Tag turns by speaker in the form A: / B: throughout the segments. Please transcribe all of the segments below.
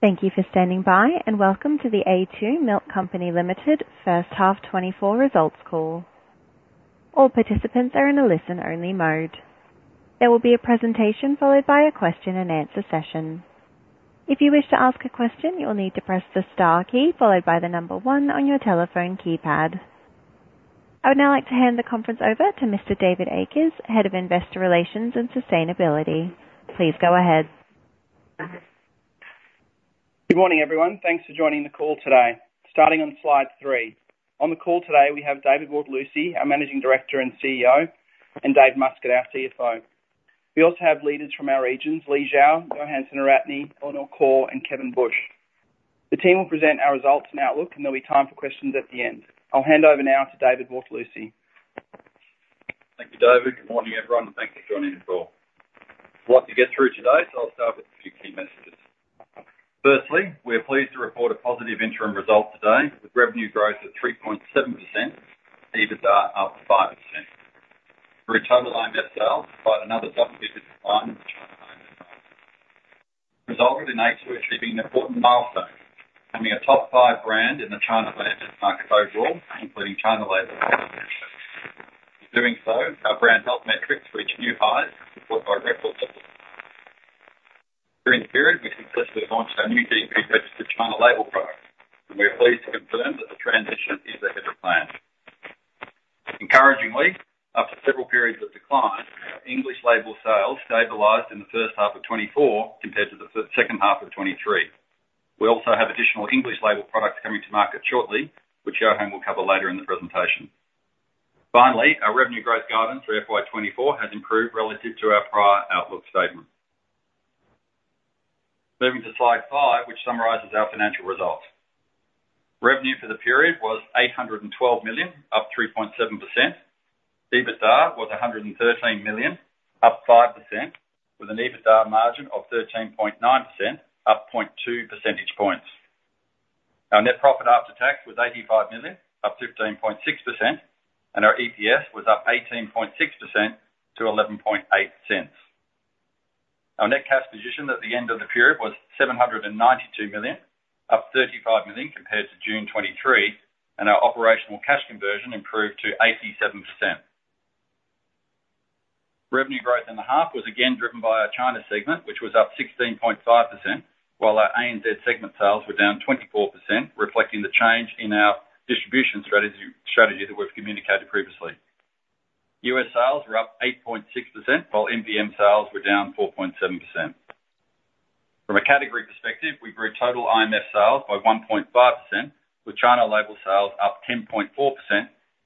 A: Thank you for standing by, and welcome to The a2 Milk Company Limited First Half 2024 Results Call. All participants are in a listen-only mode. There will be a presentation followed by a question-and-answer session. If you wish to ask a question, you will need to press the star key followed by the number one on your telephone keypad. I would now like to hand the conference over to Mr. David Akers, Head of Investor Relations and Sustainability. Please go ahead.
B: Good morning, everyone. Thanks for joining the call today. Starting on Slide 3. On the call today, we have David Bortolussi, our Managing Director and CEO, and David Muscat, our CFO. We also have leaders from our regions, Li Xiao, Yohan Senaratne, Eleanor Khor, and Kevin Bush. The team will present our results and outlook, and there'll be time for questions at the end. I'll hand over now to David Bortolussi.
C: Thank you, David. Good morning, everyone, and thank you for joining the call. A lot to get through today, so I'll start with a few key messages. Firstly, we are pleased to report a positive interim result today, with revenue growth at 3.7%, EBITDA up 5%. For total IMF sales, despite another double-digit decline in China, resulted in a2 achieving an important milestone, becoming a top five brand in the China label market overall, including China label. In doing so, our brand health metrics reached new highs, supported by. During the period, we successfully launched our new GB-registered China label product, and we are pleased to confirm that the transition is ahead of plan. Encouragingly, after several periods of decline, our English label sales stabilized in the first half of 2024 compared to the second half of 2023. We also have additional English label products coming to market shortly, which Johan will cover later in the presentation. Finally, our revenue growth guidance for FY 2024 has improved relative to our prior outlook statement. Moving to Slide 5, which summarizes our financial results. Revenue for the period was 812 million, up 3.7%. EBITDA was 113 million, up 5%, with an EBITDA margin of 13.9%, up 0.2 percentage points. Our net profit after tax was 85 million, up 15.6%, and our EPS was up 18.6% to 0.118. Our net cash position at the end of the period was 792 million, up 35 million compared to June 2023, and our operational cash conversion improved to 87%. Revenue growth in the half was, again, driven by our China segment, which was up 16.5%, while our ANZ segment sales were down 24%, reflecting the change in our distribution strategy that we've communicated previously. US sales were up 8.6%, while MVM sales were down 4.7%. From a category perspective, we grew total IMF sales by 1.5%, with China label sales up 10.4%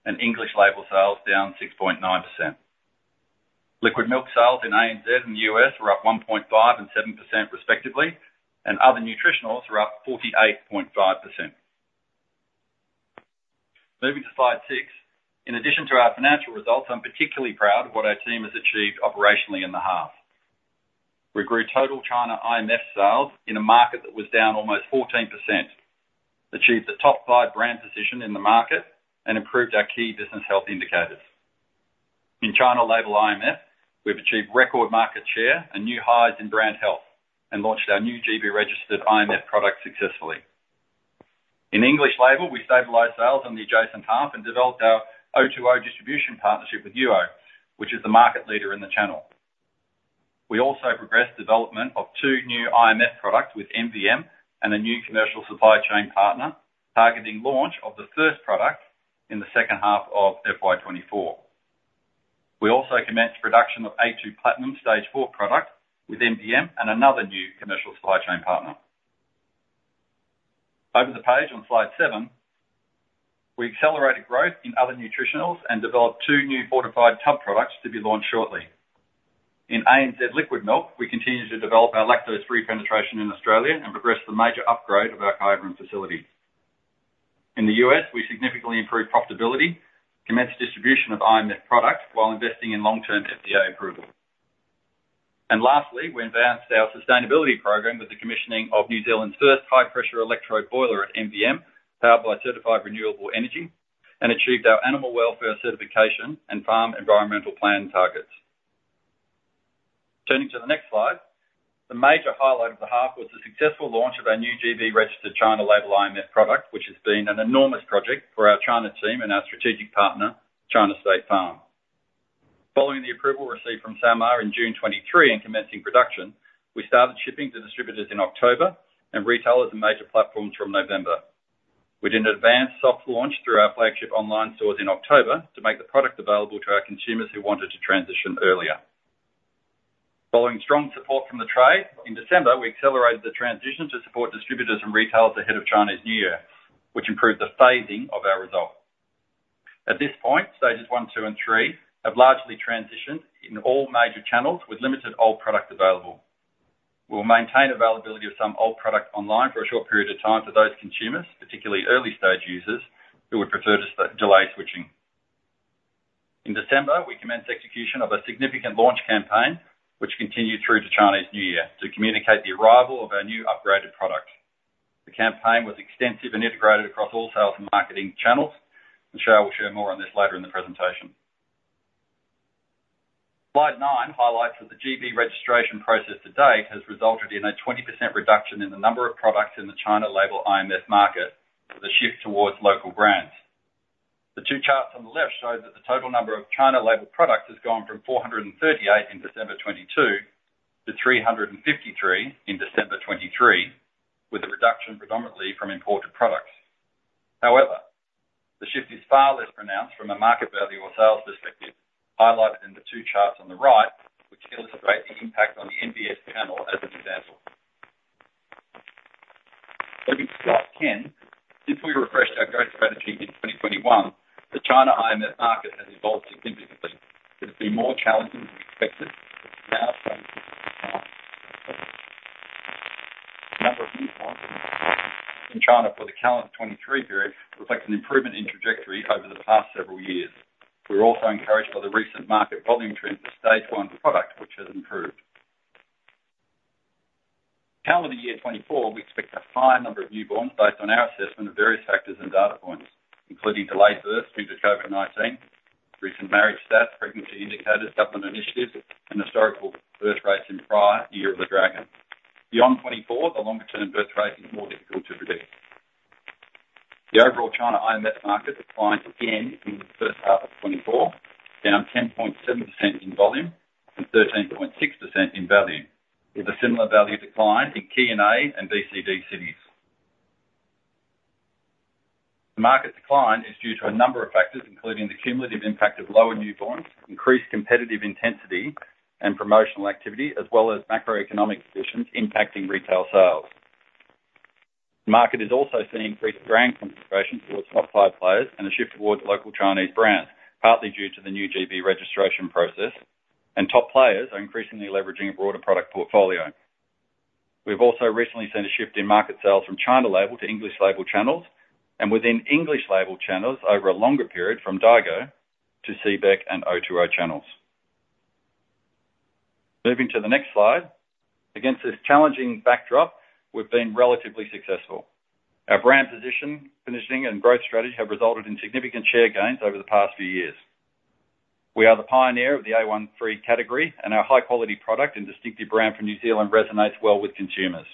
C: and English label sales down 6.9%. Liquid milk sales in ANZ and US were up 1.5% and 7% respectively, and other nutritionals were up 48.5%. Moving to slide 6. In addition to our financial results, I'm particularly proud of what our team has achieved operationally in the half. We grew total China IMF sales in a market that was down almost 14%, achieved a top five brand position in the market, and improved our key business health indicators. In China label IMF, we've achieved record market share and new highs in brand health and launched our new GB-registered IMF product successfully. In English label, we stabilized sales on the adjacent half and developed our O2O distribution partnership with Yuou, which is the market leader in the channel. We also progressed development of two new IMF products with MVM and a new commercial supply chain partner, targeting launch of the first product in the second half of FY 2024. We also commenced production of a2 Platinum Stage 4 product with MVM and another new commercial supply chain partner. Over the page on slide seven, we accelerated growth in other nutritionals and developed two new fortified tub products to be launched shortly. In ANZ liquid milk, we continue to develop our lactose-free penetration in Australia and progress the major upgrade of our Kyabram facility. In the US, we significantly improved profitability, commenced distribution of IMF products while investing in long-term FDA approval. And lastly, we advanced our sustainability program with the commissioning of New Zealand's first high-pressure electrode boiler at MVM, powered by certified renewable energy, and achieved our animal welfare certification and farm environmental plan targets. Turning to the next slide. The major highlight of the half was the successful launch of our new GB-registered China label IMF product, which has been an enormous project for our China team and our strategic partner, China State Farm. Following the approval received from SAMR in June 2023 and commencing production, we started shipping to distributors in October and retailers and major platforms from November. We did an advanced soft launch through our flagship online stores in October to make the product available to our consumers who wanted to transition earlier. Following strong support from the trade, in December, we accelerated the transition to support distributors and retailers ahead of Chinese New Year, which improved the phasing of our results. At this point, stages one, two, and three have largely transitioned in all major channels with limited old product available. We'll maintain availability of some old product online for a short period of time for those consumers, particularly early-stage users, who would prefer to delay switching. In December, we commenced execution of a significant launch campaign, which continued through to Chinese New Year, to communicate the arrival of our new upgraded product. The campaign was extensive and integrated across all sales and marketing channels, and Xiao will share more on this later in the presentation. Slide nine highlights that the GB registration process to date has resulted in a 20% reduction in the number of products in the China label IMF market, with a shift towards local brands. The two charts on the left show that the total number of China label products has gone from 438 in December 2022, to 353 in December 2023, with a reduction predominantly from imported products. However, the shift is far less pronounced from a market value or sales perspective, highlighted in the two charts on the right, which illustrate the impact on the MBS channel as an example. Moving to Slide 10, since we refreshed our growth strategy in 2021, the China IMF market has evolved significantly. It has been more challenging than expected, but now number of newborns in China for the calendar 2023 period reflects an improvement in trajectory over the past several years. We're also encouraged by the recent market volume trend for stage one products, which has improved. Calendar year 2024, we expect a higher number of newborns based on our assessment of various factors and data points, including delayed births due to COVID-19, recent marriage stats, pregnancy indicators, government initiatives, and historical birth rates in prior Year of the Dragon. Beyond 2024, the longer-term birth rate is more difficult to predict. The overall China IMF market declined again in the first half of 2024, down 10.7% in volume and 13.6% in value, with a similar value decline in key A and BCD cities. The market decline is due to a number of factors, including the cumulative impact of lower newborns, increased competitive intensity and promotional activity, as well as macroeconomic conditions impacting retail sales. The market has also seen increased brand concentration towards top five players and a shift towards local Chinese brands, partly due to the new GB registration process, and top players are increasingly leveraging a broader product portfolio. We've also recently seen a shift in market sales from China label to English label channels, and within English label channels over a longer period from Daigou to CBEC and O2O channels. Moving to the next slide. Against this challenging backdrop, we've been relatively successful. Our brand position, positioning, and growth strategy have resulted in significant share gains over the past few years. We are the pioneer of the a2 category, and our high-quality product and distinctive brand from New Zealand resonates well with consumers.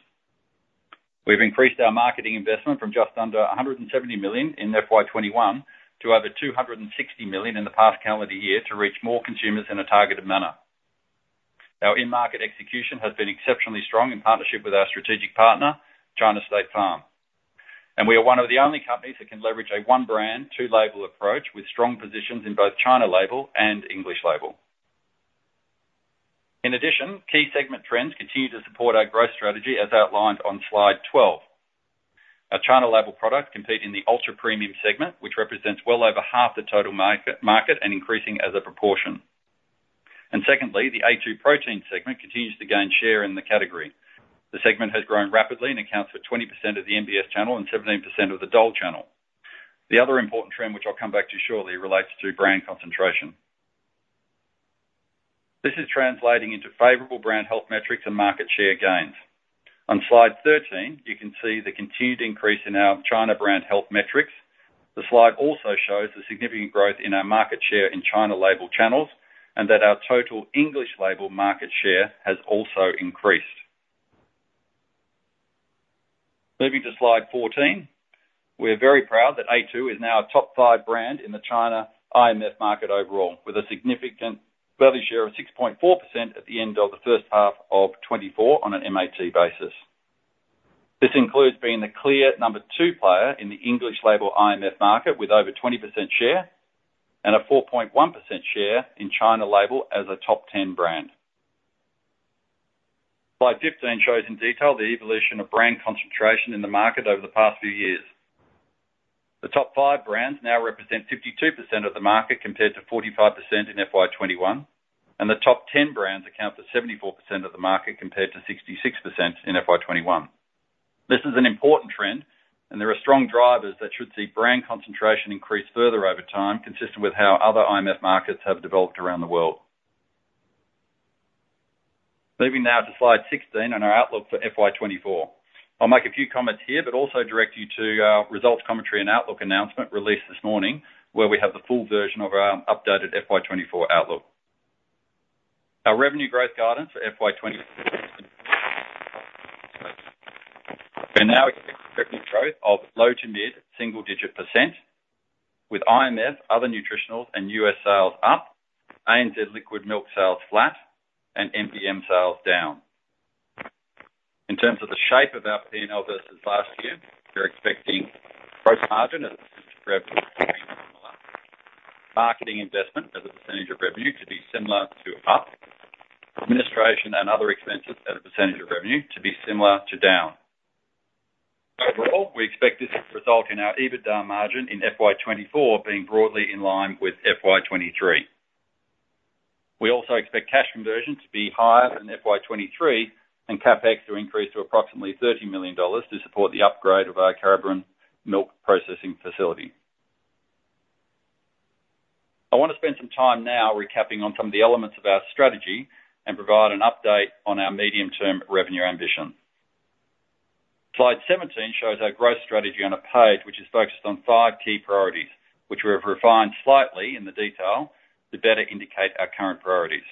C: We've increased our marketing investment from just under 170 million in FY 2021 to over 260 million in the past calendar year to reach more consumers in a targeted manner. Our in-market execution has been exceptionally strong in partnership with our strategic partner, China State Farm, and we are one of the only companies that can leverage a2 brand, two label approach with strong positions in both China label and English label. In addition, key segment trends continue to support our growth strategy, as outlined on Slide 12. Our China label products compete in the ultra-premium segment, which represents well over half the total market and increasing as a proportion. Secondly, the a2 protein segment continues to gain share in the category. The segment has grown rapidly and accounts for 20% of the MBS channel and 17% of the daigou channel. The other important trend, which I'll come back to shortly, relates to brand concentration. This is translating into favorable brand health metrics and market share gains. On Slide 13, you can see the continued increase in our China brand health metrics. The slide also shows the significant growth in our market share in China label channels, and that our total English label market share has also increased. Moving to Slide 14, we're very proud that a2 is now a top five brand in the China IMF market overall, with a significant value share of 6.4% at the end of the first half of 2024 on an MAT basis. This includes being the clear number two player in the English label IMF market, with over 20% share and a 4.1% share in China label as a top ten brand. Slide 15 shows in detail the evolution of brand concentration in the market over the past few years. The top five brands now represent 52% of the market, compared to 45% in FY 2021, and the top ten brands account for 74% of the market, compared to 66% in FY 2021. This is an important trend, and there are strong drivers that should see brand concentration increase further over time, consistent with how other IMF markets have developed around the world. Moving now to Slide 16 and our outlook for FY 2024. I'll make a few comments here, but also direct you to our results, commentary, and outlook announcement released this morning, where we have the full version of our updated FY 2024 outlook. Our revenue growth guidance for FY 2024 and now expecting growth of low- to mid-single-digit %, with IMF, other nutritionals, and US sales up, ANZ liquid milk sales flat, and MPM sales down. In terms of the shape of our P&L versus last year, we're expecting gross margin as a percentage of revenue Marketing investment as a percentage of revenue to be similar to up. Administration and other expenses as a percentage of revenue to be similar to down. Overall, we expect this to result in our EBITDA margin in FY 2024 being broadly in line with FY 2023. We also expect cash conversion to be higher than FY 2023, and CapEx to increase to approximately NZD 30 million to support the upgrade of our Kyabram milk processing facility. I want to spend some time now recapping on some of the elements of our strategy and provide an update on our medium-term revenue ambition. Slide 17 shows our growth strategy on a page which is focused on five key priorities, which we have refined slightly in the detail to better indicate our current priorities.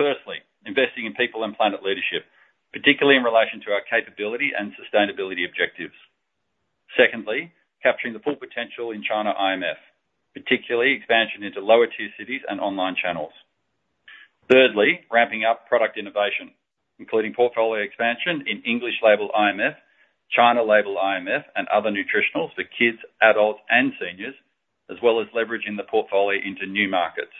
C: Firstly, investing in people and planet leadership, particularly in relation to our capability and sustainability objectives. Secondly, capturing the full potential in China IMF, particularly expansion into lower tier cities and online channels. Thirdly, ramping up product innovation, including portfolio expansion in English label IMF, China label IMF, and other nutritionals for kids, adults, and seniors, as well as leveraging the portfolio into new markets.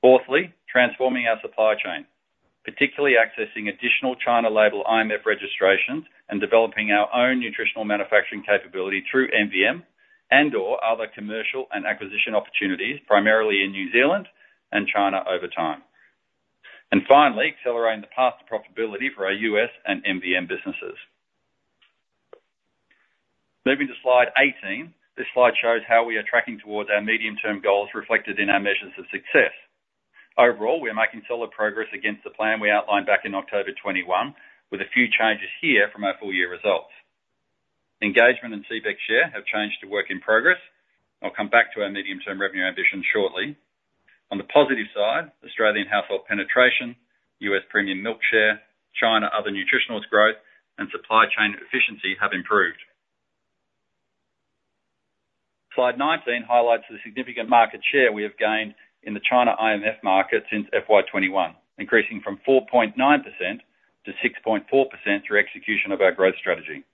C: Fourthly, transforming our supply chain, particularly accessing additional China label IMF registrations and developing our own nutritional manufacturing capability through MVM, and/or other commercial and acquisition opportunities, primarily in New Zealand and China over time. And finally, accelerating the path to profitability for our US and MVM businesses. Moving to slide 18. This slide shows how we are tracking towards our medium-term goals reflected in our measures of success. Overall, we are making solid progress against the plan we outlined back in October 2021, with a few changes here from our full year results. Engagement and CBEC share have changed to work in progress. I'll come back to our medium-term revenue ambition shortly. On the positive side, Australian household penetration, US premium milk share, China other nutritionals growth, and supply chain efficiency have improved. Slide 19 highlights the significant market share we have gained in the China IMF market since FY 2021, increasing from 4.9% to 6.4% through execution of our growth strategy.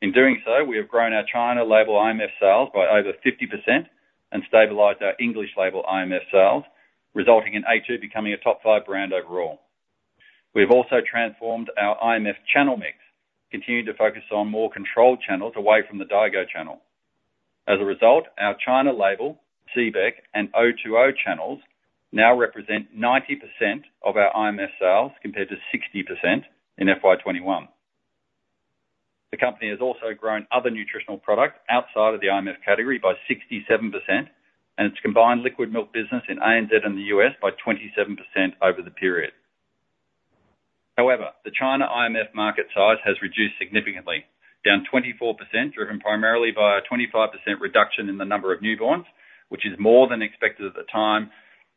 C: In doing so, we have grown our China label IMF sales by over 50% and stabilized our English label IMF sales, resulting in a2 becoming a Top 5 brand overall. We have also transformed our IMF channel mix, continuing to focus on more controlled channels away from the Daigou channel. As a result, our China label, CBEC, and O2O channels now represent 90% of our IMF sales, compared to 60% in FY 2021. The company has also grown other nutritional products outside of the IMF category by 67%, and its combined liquid milk business in ANZ and the US by 27% over the period. However, the China IMF market size has reduced significantly, down 24%, driven primarily by a 25% reduction in the number of newborns, which is more than expected at the time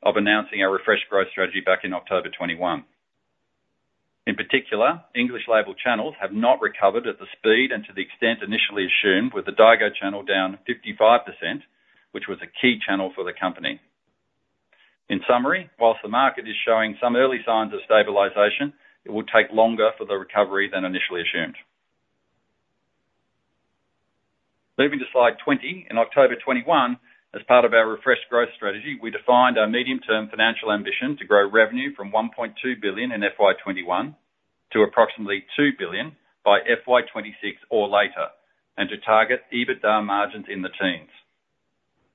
C: of announcing our refreshed growth strategy back in October 2021. In particular, English label channels have not recovered at the speed and to the extent initially assumed, with the Daigou channel down 55%, which was a key channel for the company. In summary, while the market is showing some early signs of stabilization, it will take longer for the recovery than initially assumed. Moving to slide 20. In October 2021, as part of our refreshed growth strategy, we defined our medium-term financial ambition to grow revenue from NZD 1.2 billion in FY 2021 to approximately NZD 2 billion by FY 2026 or later, and to target EBITDA margins in the teens.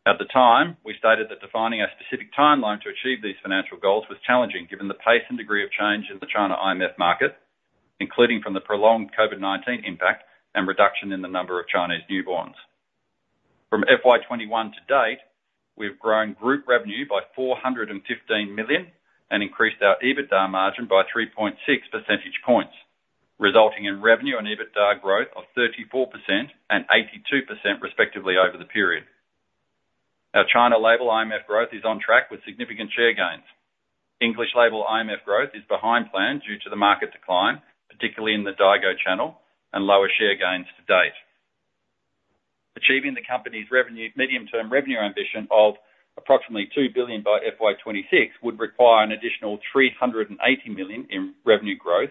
C: At the time, we stated that defining a specific timeline to achieve these financial goals was challenging, given the pace and degree of change in the China IMF market, including from the prolonged COVID-19 impact and reduction in the number of Chinese newborns. From FY 2021 to date, we've grown group revenue by 415 million, and increased our EBITDA margin by 3.6 percentage points, resulting in revenue and EBITDA growth of 34% and 82% respectively over the period. Our China label IMF growth is on track with significant share gains. English label IMF growth is behind plans due to the market decline, particularly in the Daigou channel, and lower share gains to date. Achieving the company's revenue medium-term revenue ambition of approximately 2 billion by FY 2026 would require an additional 380 million in revenue growth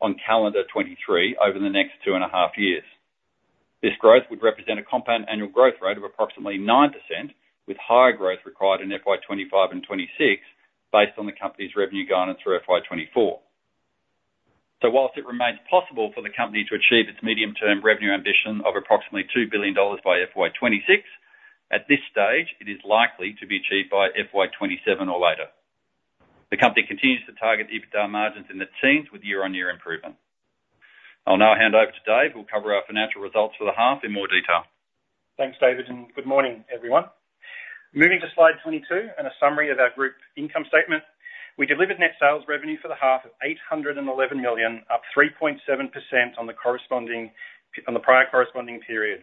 C: on calendar 2023 over the next two and a half years. This growth would represent a compound annual growth rate of approximately 9%, with higher growth required in FY 2025 and 2026, based on the company's revenue guidance for FY 2024. While it remains possible for the company to achieve its medium-term revenue ambition of approximately 2 billion dollars by FY 2026, at this stage, it is likely to be achieved by FY 2027 or later. The company continues to target EBITDA margins in the teens with year-on-year improvement. I'll now hand over to Dave, who'll cover our financial results for the half in more detail.
D: Thanks, David, and good morning, everyone. Moving to slide 22, and a summary of our group income statement. We delivered net sales revenue for the half of 811 million, up 3.7% on the prior corresponding period.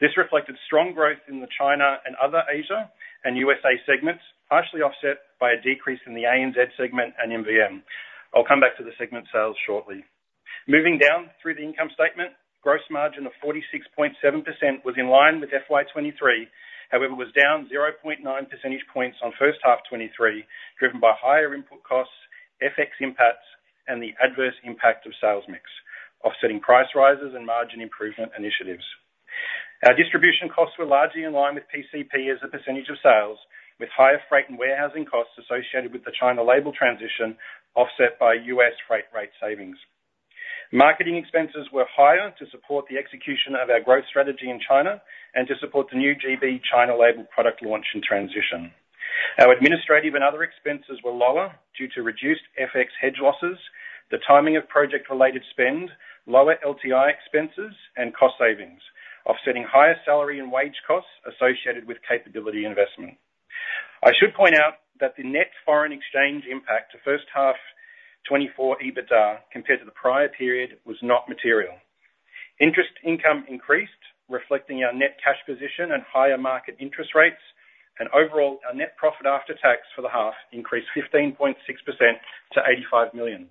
D: This reflected strong growth in the China and other Asia and USA segments, partially offset by a decrease in the ANZ segment and MVM. I'll come back to the segment sales shortly. Moving down through the income statement, gross margin of 46.7% was in line with FY 2023, however, was down 0.9 percentage points on first half 2023, driven by higher input costs, FX impacts, and the adverse impact of sales mix, offsetting price rises and margin improvement initiatives. Our distribution costs were largely in line with PCP as a percentage of sales, with higher freight and warehousing costs associated with the China label transition, offset by US freight rate savings. Marketing expenses were higher to support the execution of our growth strategy in China and to support the new GB China label product launch and transition. Our administrative and other expenses were lower due to reduced FX hedge losses, the timing of project-related spend, lower LTI expenses, and cost savings, offsetting higher salary and wage costs associated with capability investment. I should point out that the net foreign exchange impact to first half 2024 EBITDA, compared to the prior period, was not material. Interest income increased, reflecting our net cash position and higher market interest rates, and overall, our net profit after tax for the half increased 15.6% to 85 million.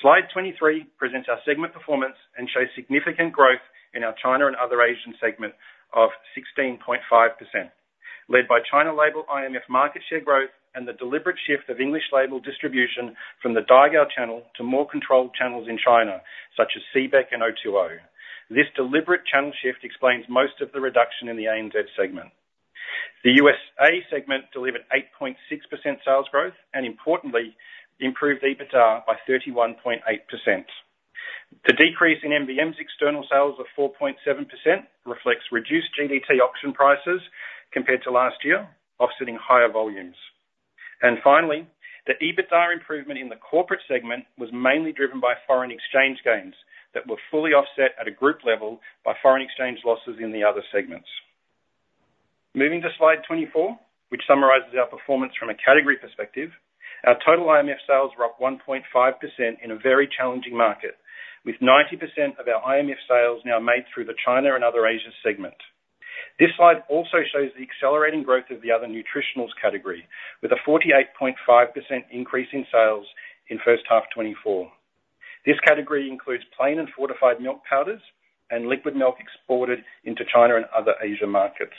D: Slide 23 presents our segment performance and shows significant growth in our China and other Asian segment of 16.5%, led by China label IMF market share growth and the deliberate shift of English label distribution from the Daigou channel to more controlled channels in China, such as CBEC and O2O. This deliberate channel shift explains most of the reduction in the ANZ segment. The USA segment delivered 8.6% sales growth, and importantly, improved EBITDA by 31.8%. The decrease in MVM's external sales of 4.7% reflects reduced GDT auction prices compared to last year, offsetting higher volumes. And finally, the EBITDA improvement in the corporate segment was mainly driven by foreign exchange gains that were fully offset at a group level by foreign exchange losses in the other segments. Moving to slide 24, which summarizes our performance from a category perspective. Our total IMF sales were up 1.5% in a very challenging market, with 90% of our IMF sales now made through the China and other Asia segment. This slide also shows the accelerating growth of the other nutritionals category, with a 48.5% increase in sales in first half 2024. This category includes plain and fortified milk powders and liquid milk exported into China and other Asia markets.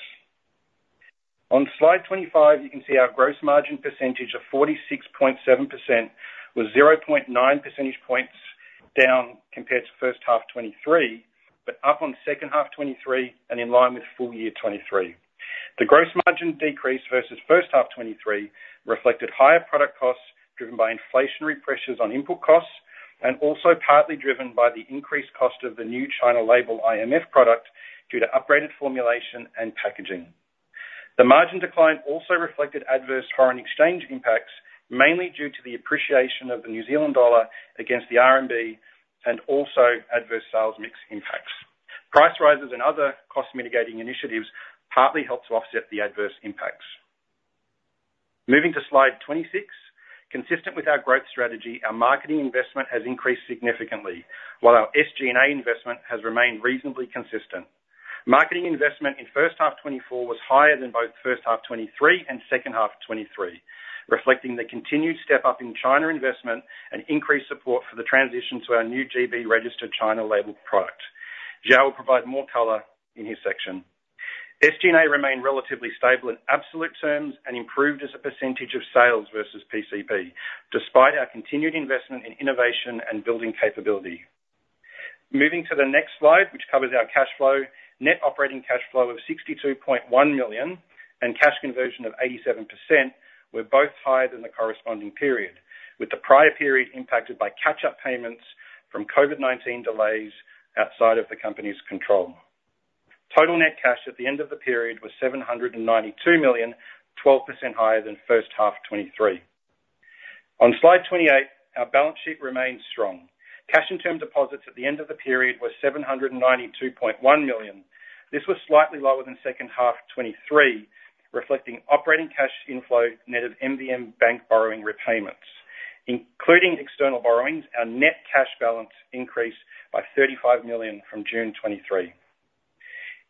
D: On slide 25, you can see our gross margin percentage of 46.7%, was 0.9 percentage points down compared to first half 2023, but up on second half 2023 and in line with full year 2023. The gross margin decrease versus first half 2023 reflected higher product costs driven by inflationary pressures on input costs, and also partly driven by the increased cost of the new China label IMF product due to upgraded formulation and packaging. The margin decline also reflected adverse foreign exchange impacts, mainly due to the appreciation of the New Zealand dollar against the RMB and also adverse sales mix impacts. Price rises and other cost mitigating initiatives partly helped to offset the adverse impacts. Moving to slide 26, consistent with our growth strategy, our marketing investment has increased significantly, while our SG&A investment has remained reasonably consistent. Marketing investment in first half 2024 was higher than both first half 2023 and second half 2023, reflecting the continued step up in China investment and increased support for the transition to our new GB registered China label product. Xiao will provide more color in his section. SG&A remained relatively stable in absolute terms and improved as a percentage of sales versus PCP, despite our continued investment in innovation and building capability. Moving to the next slide, which covers our cash flow. Net operating cash flow of 62.1 million and cash conversion of 87% were both higher than the corresponding period, with the prior period impacted by catch-up payments from COVID-19 delays outside of the company's control. Total net cash at the end of the period was 792 million, 12% higher than first half 2023. On slide 28, our balance sheet remains strong. Cash and term deposits at the end of the period were 792.1 million. This was slightly lower than second half 2023, reflecting operating cash inflow net of MVM bank borrowing repayments. Including external borrowings, our net cash balance increased by 35 million from June 2023.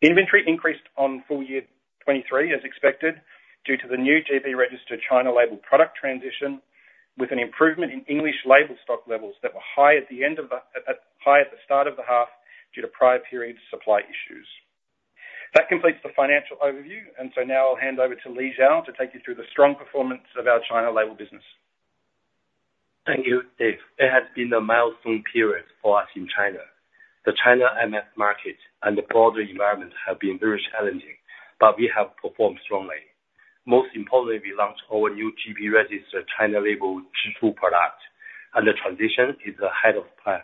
D: Inventory increased on full year 2023, as expected, due to the new GB registered China label product transition, with an improvement in English label stock levels that were high at the start of the half due to prior period supply issues. That completes the financial overview, and so now I'll hand over to Li Xiao to take you through the strong performance of our China label business.
E: Thank you, Dave. It has been a milestone period for us in China. The China IMF market and the broader environment have been very challenging, but we have performed strongly. Most importantly, we launched our new GB-registered China label Zhichu product, and the transition is ahead of plan.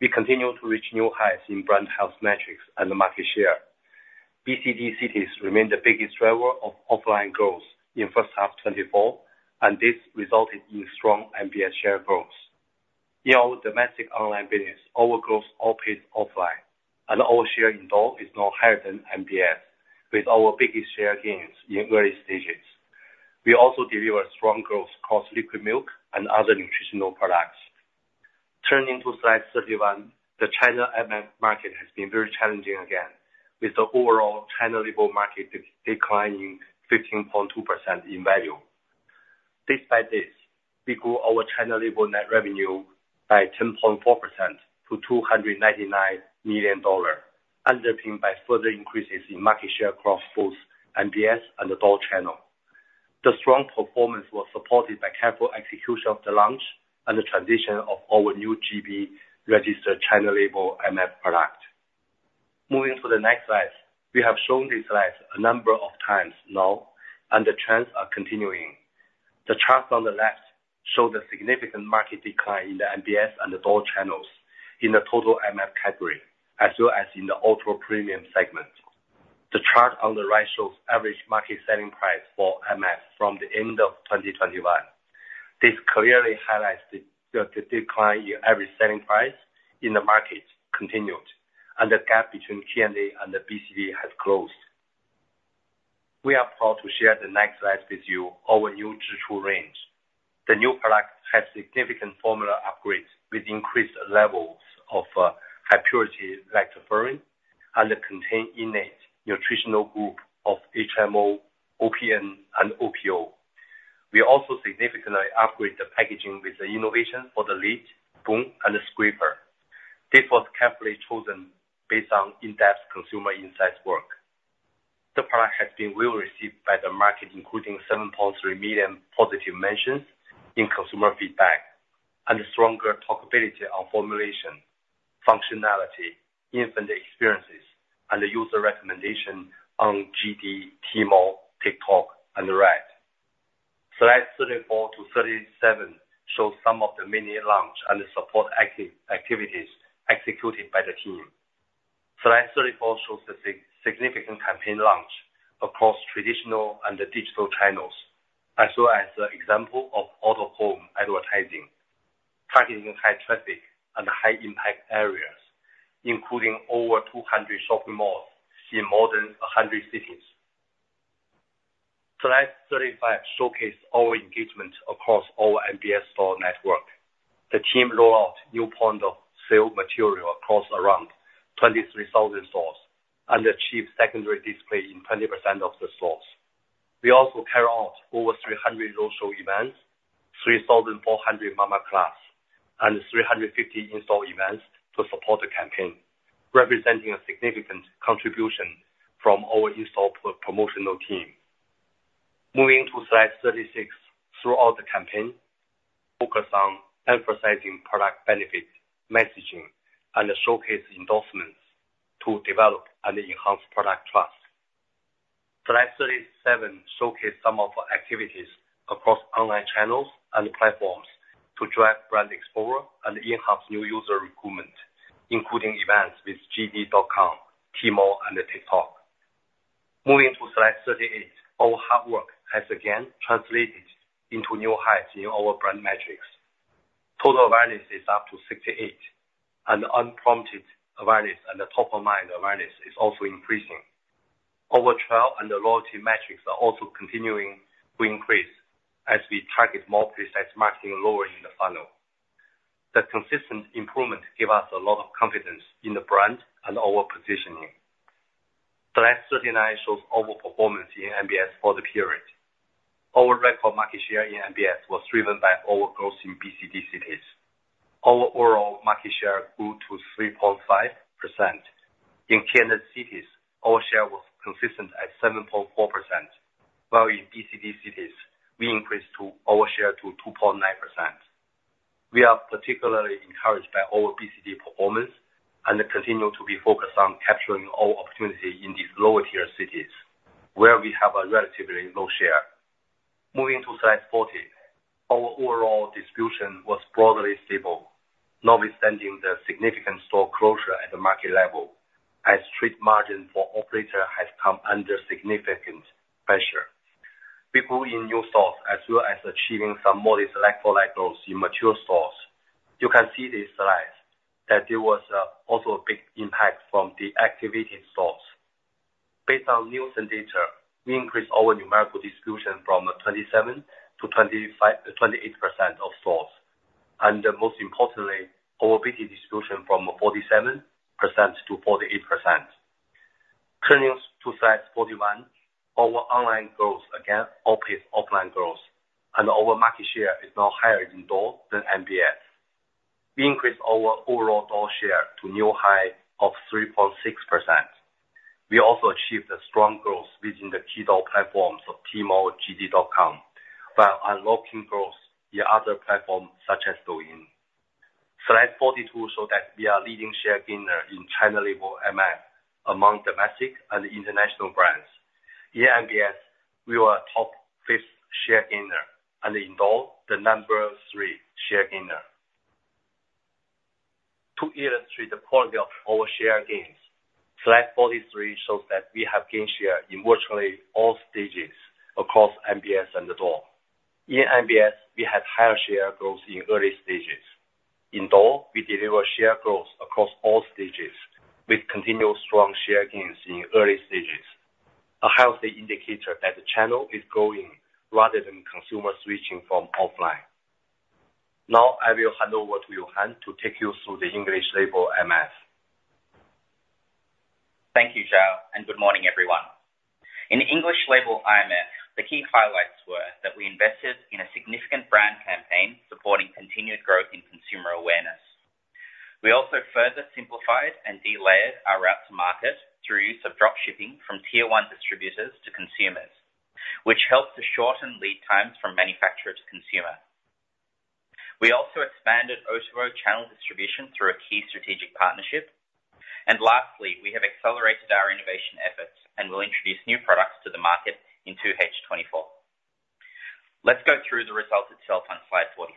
E: We continue to reach new heights in brand health metrics and the market share. BCD cities remain the biggest driver of offline growth in first half 2024, and this resulted in strong MBS share growth. In our domestic online business, our growth outpaced offline and our share in Douyin is now higher than MBS, with our biggest share gains in early stages. We also delivered strong growth across liquid milk and other nutritional products. Turning to Slide 31, the China IMF market has been very challenging again, with the overall China label market declining 15.2% in value. Despite this, we grew our China label net revenue by 10.4% to 299 million dollar, underpinned by further increases in market share across both MBS and the Daigou channel. The strong performance was supported by careful execution of the launch and the transition of our new GB-registered China label MF product. Moving to the next slide. We have shown this slide a number of times now, and the trends are continuing. The chart on the left shows a significant market decline in the MBS and the Daigou channels in the total MF category, as well as in the ultra-premium segment. The chart on the right shows average market selling price for MF from the end of 2021... This clearly highlights the decline in average selling price in the market continued, and the gap between K&A and the BCD has closed. We are proud to share the next slide with you, our new Zhichu range. The new product has significant formula upgrades, with increased levels of high purity lactoferrin, and it contain innate nutritional group of HMO, OPN, and OPO. We also significantly upgrade the packaging with the innovation for the lid, spoon, and the scraper. This was carefully chosen based on in-depth consumer insights work. The product has been well received by the market, including 7.3 million positive mentions in consumer feedback, and stronger talkability on formulation, functionality, infant experiences, and the user recommendation on JD, Tmall, TikTok, and Red. Slides 34-37 show some of the many launch and support activities executed by the team. Slide 34 shows the significant campaign launch across traditional and the digital channels, as well as the example of out-of-home advertising, targeting high traffic and high impact areas, including over 200 shopping malls in more than 100 cities. Slide 35 showcase our engagement across our MBS store network. The team roll out new point of sale material across around 23,000 stores, and achieve secondary display in 20% of the stores. We also carry out over 300 roadshow events, 3,400 mama class, and 350 in-store events to support the campaign, representing a significant contribution from our in-store promotional team. Moving to slide 36. Throughout the campaign, focus on emphasizing product benefit, messaging, and showcase endorsements to develop and enhance product trust. Slide 37 showcase some of our activities across online channels and platforms to drive brand explorer and enhance new user recruitment, including events with JD.com, Tmall, and TikTok. Moving to slide 38. Our hard work has again translated into new heights in our brand metrics. Total awareness is up to 68, and unprompted awareness and the top-of-mind awareness is also increasing. Our trial and the loyalty metrics are also continuing to increase as we target more precise marketing lower in the funnel. The consistent improvement give us a lot of confidence in the brand and our positioning. Slide 39 shows our performance in MBS for the period. Our record market share in MBS was driven by our growth in BCD cities. Our overall market share grew to 3.5%. In tiered cities, our share was consistent at 7.4%, while in BCD cities, we increased our share to 2.9%. We are particularly encouraged by our BCD performance and continue to be focused on capturing all opportunity in these lower tier cities, where we have a relatively low share. Moving to slide 40. Our overall distribution was broadly stable, notwithstanding the significant store closure at the market level, as trade margin for operator has come under significant pressure. We grew in new stores, as well as achieving some modest like-for-like growth in mature stores. You can see this slide, that there was also a big impact from the activated stores. Based on Nielsen data, we increased our numerical distribution from 27-28% of stores. And most importantly, our BT distribution from 47%-48%. Turning to slide 41, our online growth again outpaced offline growth, and our market share is now higher in ecom than MBS. We increased our overall ecom share to new high of 3.6%. We also achieved a strong growth within the key ecom platforms of Tmall, JD.com, while unlocking growth in other platforms, such as Douyin. Slide 42 show that we are leading share gainer in China label IMF among domestic and international brands. In MBS, we are top fifth share gainer, and in ecom, the number three share gainer. To illustrate the point of our share gains, slide 43 shows that we have gained share in virtually all stages across MBS and the ecom. In MBS, we have higher share growth in early stages. Indeed, we deliver share growth across all stages, with continuous strong share gains in early stages, a healthy indicator that the channel is growing rather than consumers switching from offline. Now, I will hand over to Yohan to take you through the English label IMF.
F: Thank you, Zhao, and good morning, everyone. In the English label IMF, the key highlights were that we invested in a significant brand campaign supporting continued growth in consumer awareness. We also further simplified and delayed our route to market through use of drop shipping from tier one distributors to consumers, which helped to shorten lead times from manufacturer to consumer. We also expanded O2O channel distribution through a key strategic partnership. And lastly, we have accelerated our innovation efforts, and we'll introduce new products to the market in 2H 2024. Let's go through the results itself on slide 45.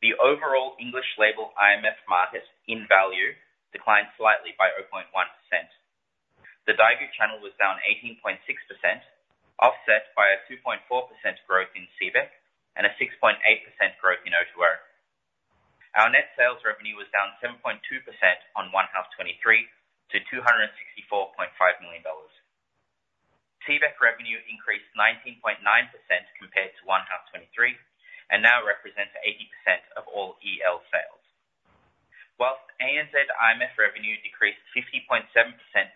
F: The overall English label IMF market in value declined slightly by 0.1%. The Daigou channel was down 18.6%, offset by a 2.4% growth in CBEC and a 6.8% growth in O2O. Our net sales revenue was down 7.2% on 1H 2023 to 264.5 million dollars. CBEC revenue increased 19.9% compared to 1H 2023, and now represents 80% of all EL sales. While ANZ IMF revenue decreased 50.7%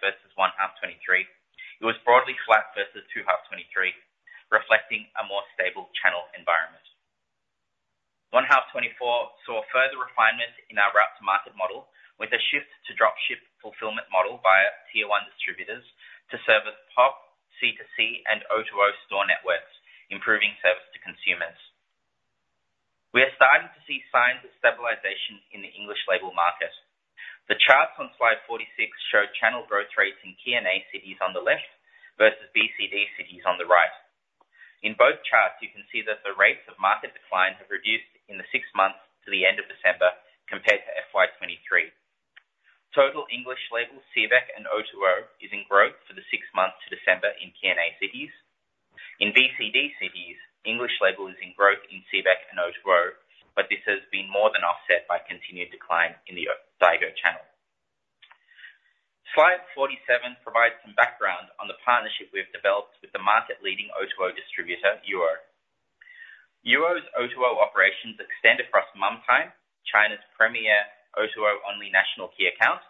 F: versus 1H 2023, it was broadly flat versus 2H 2023, reflecting a more stable channel environment. 1H 2024 saw a further refinement in our route to market model, with a shift to drop ship fulfillment model via tier one distributors to service POP, C2C, and O2O store networks, improving service to consumers. We are starting to see signs of stabilization in the English label market. The charts on slide 46 show channel growth rates in K&A cities on the left, versus BCD cities on the right. In both charts, you can see that the rates of market decline have reduced in the six months to the end of December compared to FY 2023. Total English label, CBEC and O2O is in growth for the six months to December in K&A cities. In BCD cities, English label is in growth in CBEC and O2O, but this has been more than offset by continued decline in the Daigou channel. Slide 47 provides some background on the partnership we have developed with the market-leading O2O distributor, Yuou. Yuou's O2O operations extend across Mumtime, China's premier O2O-only national key account,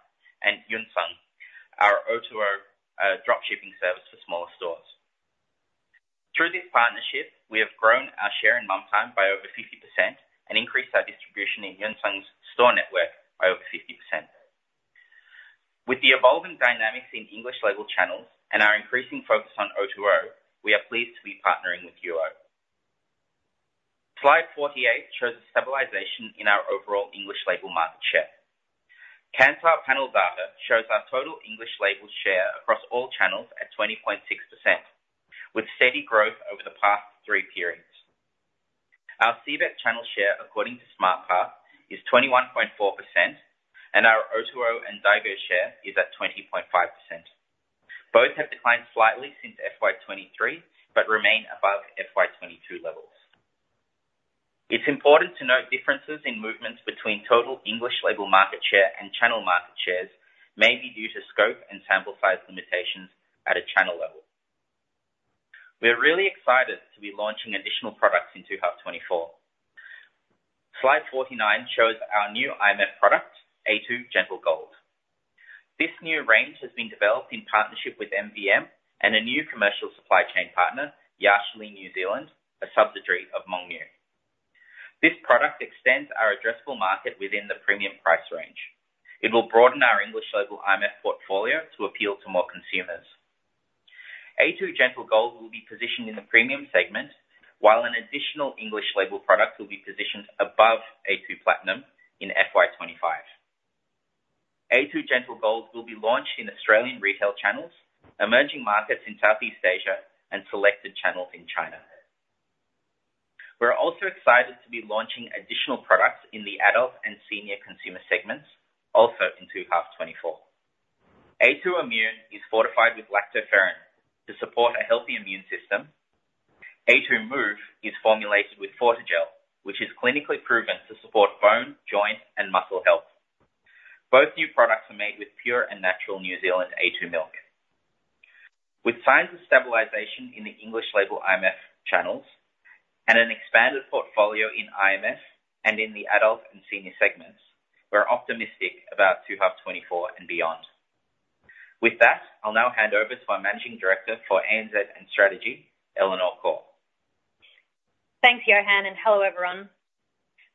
F: and Yuncong, our O2O drop shipping service for smaller stores. Through this partnership, we have grown our share in Mumtime by over 50% and increased our distribution in Yuncong's store network by over 50%. With the evolving dynamics in English label channels and our increasing focus on O2O, we are pleased to be partnering with Yuou. Slide 48 shows a stabilization in our overall English label market share. Kantar panel data shows our total English label share across all channels at 20.6%, with steady growth over the past three periods. Our CBEC channel share, according to Smart Path, is 21.4%, and our O2O and Daigou share is at 20.5%. Both have declined slightly since FY 2023, but remain above FY 2022 levels. It's important to note differences in movements between total English label market share and channel market shares may be due to scope and sample size limitations at a channel level. We are really excited to be launching additional products in 2H 2024. Slide 49 shows our new IMF product, a2 Gentle Gold. This new range has been developed in partnership with MVM and a new commercial supply chain partner, Yashili New Zealand, a subsidiary of Mengniu. This product extends our addressable market within the premium price range. It will broaden our English label IMF portfolio to appeal to more consumers. a2 Gentle Gold will be positioned in the premium segment, while an additional English label product will be positioned above a2 Platinum in FY 2025. a2 Gentle Gold will be launched in Australian retail channels, emerging markets in Southeast Asia, and selected channels in China. We're also excited to be launching additional products in the adult and senior consumer segments, also in H2 2024. a2 Immune is fortified with lactoferrin to support a healthy immune system. a2 Move is formulated with Fortigel, which is clinically proven to support bone, joint, and muscle health. Both new products are made with pure and natural New Zealand a2 Milk. With signs of stabilization in the English label IMF channels and an expanded portfolio in IMF and in the adult and senior segments, we're optimistic about second half 2024 and beyond. With that, I'll now hand over to our Managing Director for ANZ and Strategy, Eleanor Khor.
G: Thanks, Yohan, and hello, everyone.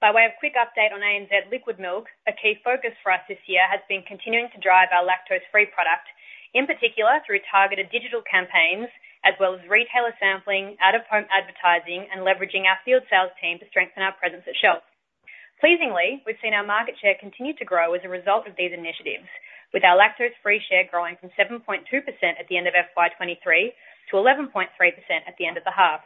G: By way of quick update on ANZ liquid milk, a key focus for us this year has been continuing to drive our lactose-free product, in particular through targeted digital campaigns as well as retailer sampling, out-of-home advertising, and leveraging our field sales team to strengthen our presence at shelf. Pleasingly, we've seen our market share continue to grow as a result of these initiatives, with our lactose-free share growing from 7.2% at the end of FY 2023 to 11.3% at the end of the half.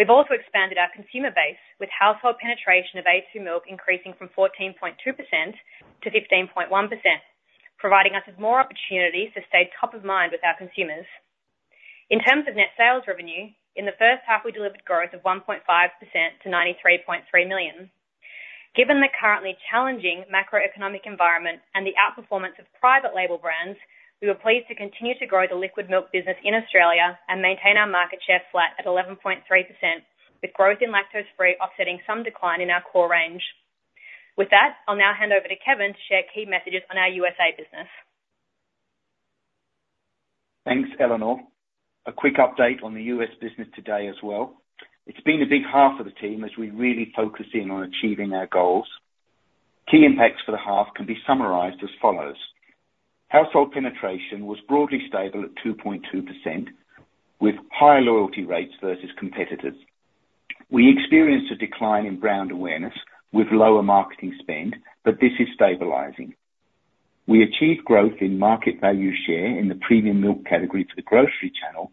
G: We've also expanded our consumer base, with household penetration of a2 Milk increasing from 14.2% to 15.1%, providing us with more opportunities to stay top of mind with our consumers. In terms of net sales revenue, in the first half, we delivered growth of 1.5% to 93.3 million. Given the currently challenging macroeconomic environment and the outperformance of private label brands, we were pleased to continue to grow the liquid milk business in Australia and maintain our market share flat at 11.3%, with growth in lactose-free offsetting some decline in our core range. With that, I'll now hand over to Kevin to share key messages on our USA business.
H: Thanks, Eleanor. A quick update on the US business today as well. It's been a big half for the team as we really focus in on achieving our goals. Key impacts for the half can be summarized as follows: Household penetration was broadly stable at 2.2%, with higher loyalty rates versus competitors. We experienced a decline in brand awareness with lower marketing spend, but this is stabilizing. ... We achieved growth in market value share in the premium milk category to the grocery channel,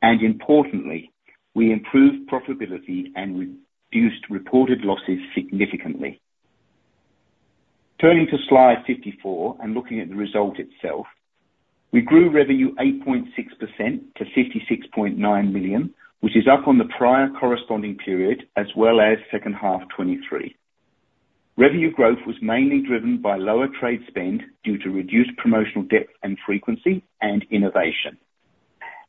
H: and importantly, we improved profitability and reduced reported losses significantly. Turning to Slide 54 and looking at the result itself, we grew revenue 8.6% to 56.9 million, which is up on the prior corresponding period, as well as second half 2023. Revenue growth was mainly driven by lower trade spend due to reduced promotional depth and frequency and innovation.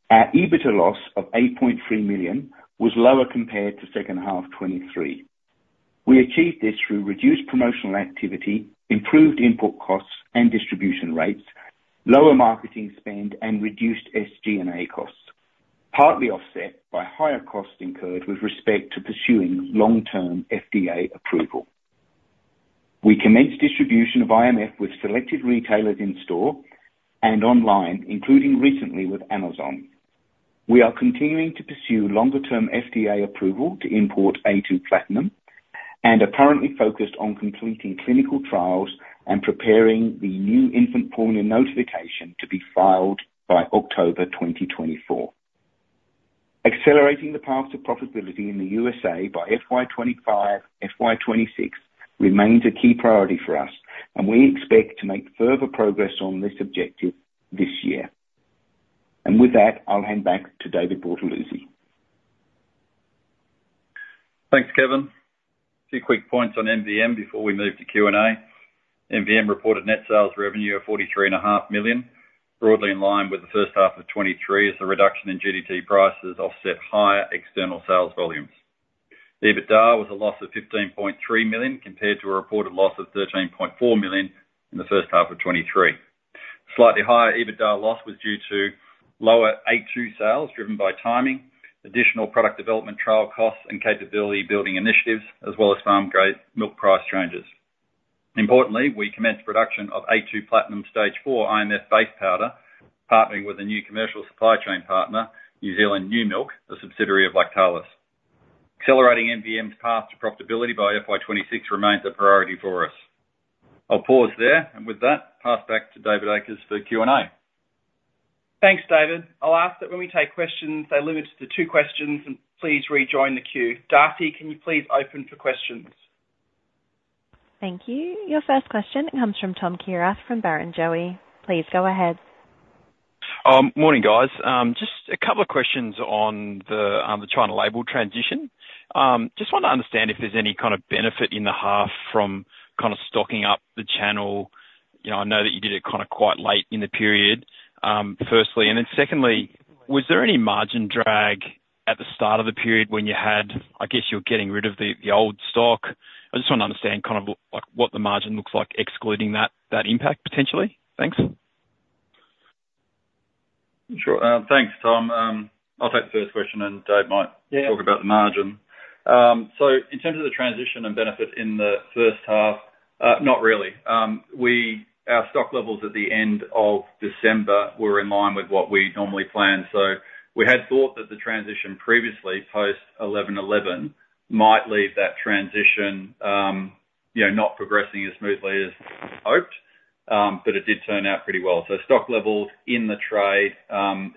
H: Our EBITDA loss of 8.3 million was lower compared to second half 2023. We achieved this through reduced promotional activity, improved input costs and distribution rates, lower marketing spend, and reduced SG&A costs, partly offset by higher costs incurred with respect to pursuing long-term FDA approval. We commenced distribution of IMF with selected retailers in store and online, including recently with Amazon. We are continuing to pursue longer-term FDA approval to import a2 Platinum, and are currently focused on completing clinical trials and preparing the new infant formula notification to be filed by October 2024. Accelerating the path to profitability in the USA by FY25, FY26 remains a key priority for us, and we expect to make further progress on this objective this year. With that, I'll hand back to David Bortolussi.
C: Thanks, Kevin. A few quick points on MVM before we move to Q&A. MVM reported net sales revenue of 43.5 million, broadly in line with the first half of 2023, as the reduction in GDT prices offset higher external sales volumes. The EBITDA was a loss of 15.3 million, compared to a reported loss of 13.4 million in the first half of 2023. Slightly higher EBITDA loss was due to lower a2 sales, driven by timing, additional product development, trial costs and capability building initiatives, as well as farm grade milk price changes. Importantly, we commenced production of a2 Platinum Stage 4 IMF Base Powder, partnering with a new commercial supply chain partner, New Zealand New Milk, a subsidiary of Lactalis. Accelerating MVM's path to profitability by FY 2026 remains a priority for us. I'll pause there, and with that, pass back to David Akers for Q&A.
B: Thanks, David. I'll ask that when we take questions, they limit it to two questions and please rejoin the queue. Darcy, can you please open for questions?
A: Thank you. Your first question comes from Tom Kierath, from Barrenjoey. Please go ahead.
I: Morning, guys. Just a couple of questions on the China label transition. Just want to understand if there's any kind of benefit in the half from kind of stocking up the channel. You know, I know that you did it kind of quite late in the period, firstly, and then secondly, was there any margin drag at the start of the period when you had -- I guess you're getting rid of the old stock? I just want to understand kind of, like, what the margin looks like, excluding that impact, potentially. Thanks.
C: Sure. Thanks, Tom. I'll take the first question, and Dave might-
D: Yeah.
C: talk about the margin. So in terms of the transition and benefit in the first half, not really. We—Our stock levels at the end of December were in line with what we normally plan. So we had thought that the transition previously, post eleven-eleven, might leave that transition, you know, not progressing as smoothly as hoped, but it did turn out pretty well. So stock levels in the trade,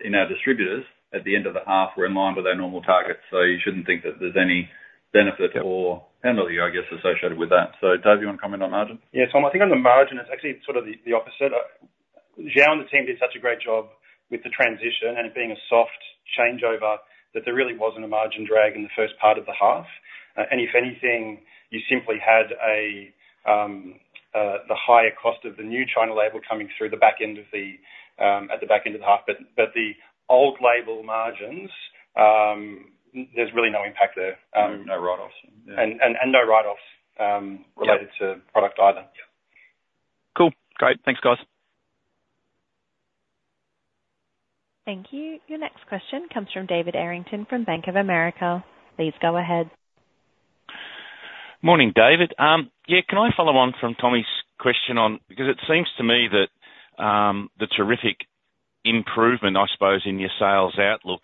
C: in our distributors at the end of the half were in line with their normal targets, so you shouldn't think that there's any benefit or penalty, I guess, associated with that. So Dave, you want to comment on margin? Yeah, so I think on the margin, it's actually sort of the opposite. Xiao and the team did such a great job with the transition and it being a soft changeover, that there really wasn't a margin drag in the first part of the half. And if anything, you simply had the higher cost of the new China label coming through at the back end of the half. But the old label margins, there's really no impact there. No write-offs.
D: And no write-offs.
C: Yeah...
D: related to product either.
I: Cool. Great. Thanks, guys.
A: Thank you. Your next question comes from David Errington, from Bank of America. Please go ahead.
J: Morning, David. Yeah, can I follow on from Tommy's question on... Because it seems to me that the terrific improvement, I suppose, in your sales outlook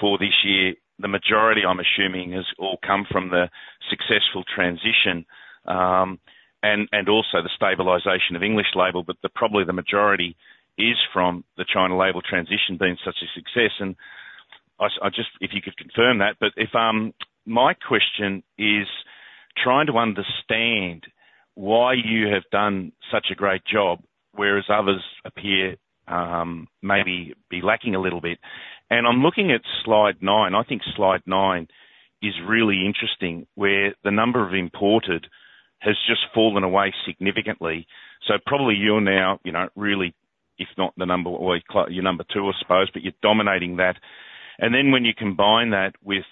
J: for this year, the majority, I'm assuming, has all come from the successful transition and also the stabilization of English label, but probably the majority is from the China label transition being such a success. And I just, if you could confirm that, but if my question is trying to understand why you have done such a great job, whereas others appear maybe be lacking a little bit. And I'm looking at slide nine. I think slide nine is really interesting, where the number of imported has just fallen away significantly. So probably you're now, you know, really, if not the number one, you're number two, I suppose, but you're dominating that. Then when you combine that with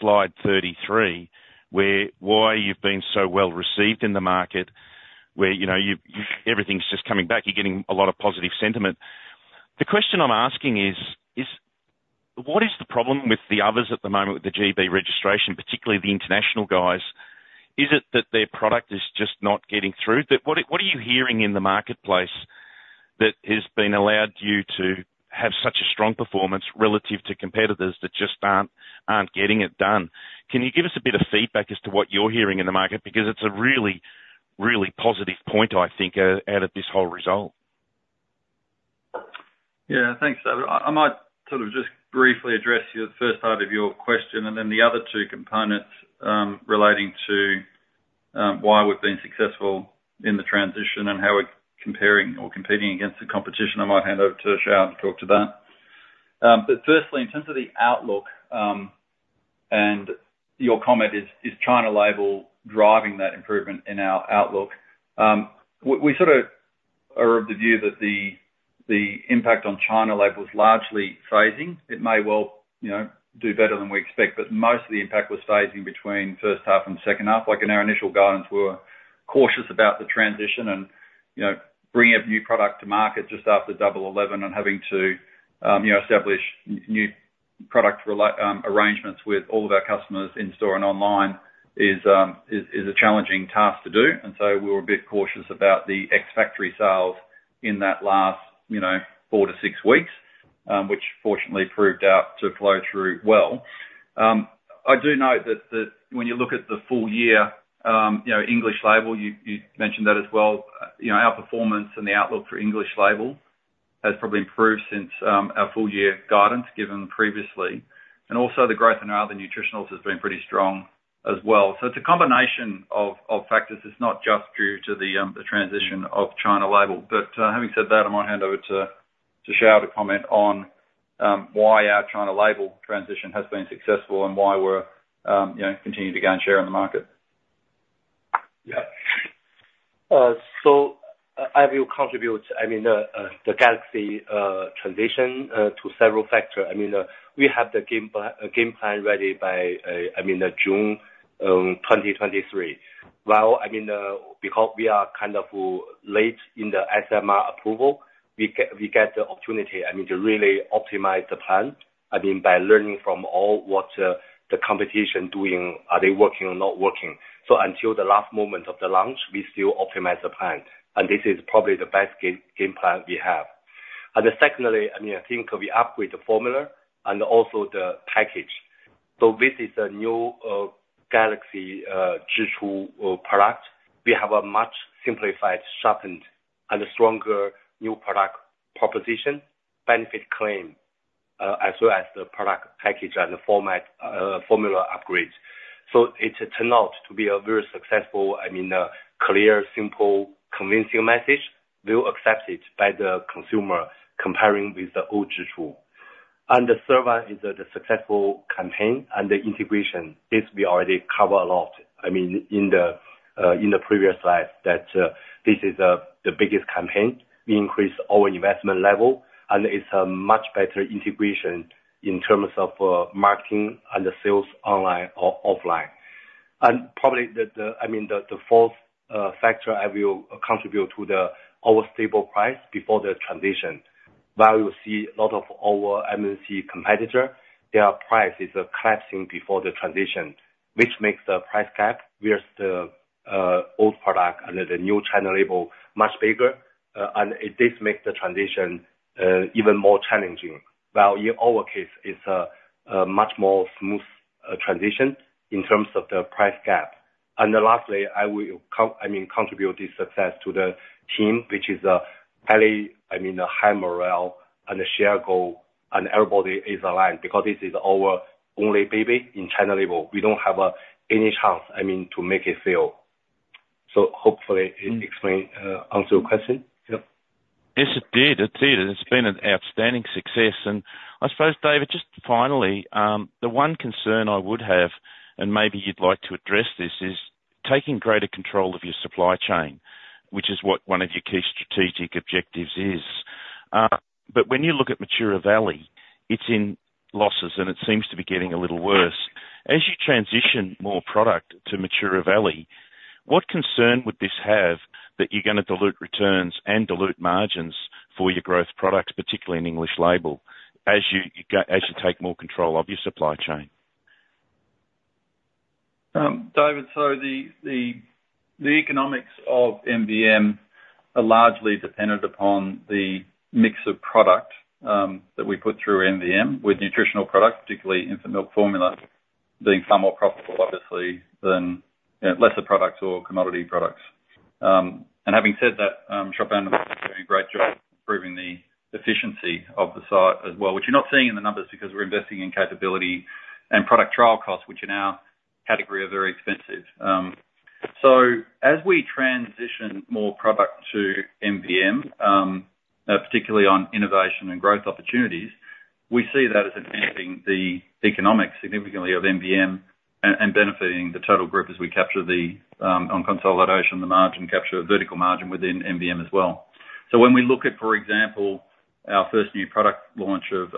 J: slide 33, where, why you've been so well received in the market, where, you know, you everything's just coming back, you're getting a lot of positive sentiment. The question I'm asking is: What is the problem with the others at the moment with the GB registration, particularly the international guys? Is it that their product is just not getting through? What are you hearing in the marketplace?... that has been allowed you to have such a strong performance relative to competitors that just aren't getting it done. Can you give us a bit of feedback as to what you're hearing in the market? Because it's a really, really positive point, I think, out of this whole result.
C: Yeah, thanks, David. I, I might sort of just briefly address the first part of your question, and then the other two components relating to why we've been successful in the transition and how we're comparing or competing against the competition. I might hand over to Xiao to talk to that. But firstly, in terms of the outlook, and your comment is, is China Label driving that improvement in our outlook? We sort of are of the view that the impact on China Label is largely phasing. It may well, you know, do better than we expect, but most of the impact was phasing between first half and second half. Like, in our initial guidance, we were cautious about the transition and, you know, bringing up new product to market just after Double Eleven and having to, you know, establish new product arrangements with all of our customers in-store and online is a challenging task to do. And so we were a bit cautious about the ex-factory sales in that last, you know, four to six weeks, which fortunately proved out to flow through well. I do note that when you look at the full year, you know, English label, you mentioned that as well. You know, our performance and the outlook for English label has probably improved since our full year guidance given previously, and also the growth in our other nutritionals has been pretty strong as well. So it's a combination of factors. It's not just due to the transition of China Label. But, having said that, I might hand over to Xiao to comment on why our China Label transition has been successful and why we're, you know, continuing to gain share in the market.
E: Yeah. So I will contribute, I mean, the Zhichu transition to several factors. I mean, we have the game plan ready by, I mean, June 2023. While, I mean, because we are kind of late in the SAMR approval, we get the opportunity, I mean, to really optimize the plan, I mean, by learning from all what the competition doing, are they working or not working? So until the last moment of the launch, we still optimize the plan, and this is probably the best game plan we have. And secondly, I mean, I think we upgrade the formula and also the package. So this is a new Zhichu product. We have a much simplified, sharpened, and a stronger new product proposition, benefit claim, as well as the product package and the format, formula upgrades. So it turned out to be a very successful, I mean, a clear, simple, convincing message, well accepted by the consumer, comparing with the old Zhichu. And the third one is the successful campaign and the integration. This we already cover a lot, I mean, in the previous slide, that this is the biggest campaign. We increased our investment level, and it's a much better integration in terms of marketing and the sales online or offline. And probably the, I mean, the fourth factor I will contribute to our stable price before the transition. While you see a lot of our MNC competitor, their price is collapsing before the transition, which makes the price gap with the old product and the new China label much bigger, and this makes the transition even more challenging. While in our case, it's a much more smooth transition in terms of the price gap. And lastly, I will I mean, contribute this success to the team, which is highly, I mean, high morale and a shared goal, and everybody is aligned, because this is our only baby in China label. We don't have any chance, I mean, to make it fail. So hopefully, it explain answer your question? Yeah.
J: Yes, it did. It did. It's been an outstanding success. And I suppose, David, just finally, the one concern I would have, and maybe you'd like to address this, is taking greater control of your supply chain, which is what one of your key strategic objectives is. But when you look at Mataura Valley, it's in losses, and it seems to be getting a little worse. As you transition more product to Mataura Valley, what concern would this have that you're gonna dilute returns and dilute margins for your growth products, particularly in English label, as you take more control of your supply chain?
C: David, so the economics of MVM are largely dependent upon the mix of product that we put through MVM, with nutritional products, particularly infant milk formula, being far more profitable, obviously, than, you know, lesser products or commodity products. And having said that, Chopin Zhang is doing a great job improving the efficiency of the site as well, which you're not seeing in the numbers because we're investing in capability and product trial costs, which in our category, are very expensive. So as we transition more product to MVM, particularly on innovation and growth opportunities, we see that as enhancing the economics significantly of MVM and benefiting the total group as we capture the, on consolidation, the margin capture, vertical margin within MVM as well. So when we look at, for example, our first new product launch of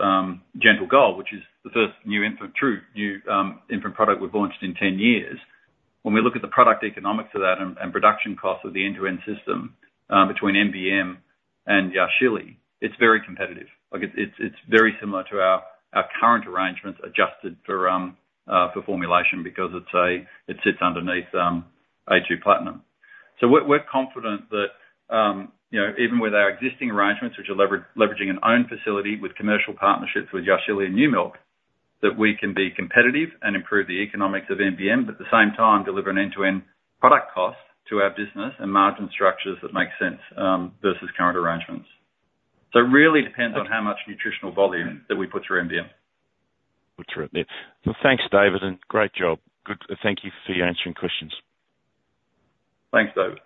C: Gentle Gold, which is the first new infant product we've launched in 10 years, when we look at the product economics of that and production costs of the end-to-end system between MVM and Yashili, it's very competitive. Like, it's very similar to our current arrangements adjusted for formulation, because it sits underneath a2 Platinum. So we're confident that, you know, even with our existing arrangements, which are leveraging an owned facility with commercial partnerships with Yashili and New Milk, that we can be competitive and improve the economics of MVM, but at the same time, deliver an end-to-end product cost to our business and margin structures that make sense versus current arrangements. It really depends on how much nutritional volume that we put through MVM.
J: Put through it. Yeah. So, thanks, David, and great job. Good, thank you for answering questions.
C: Thanks, David.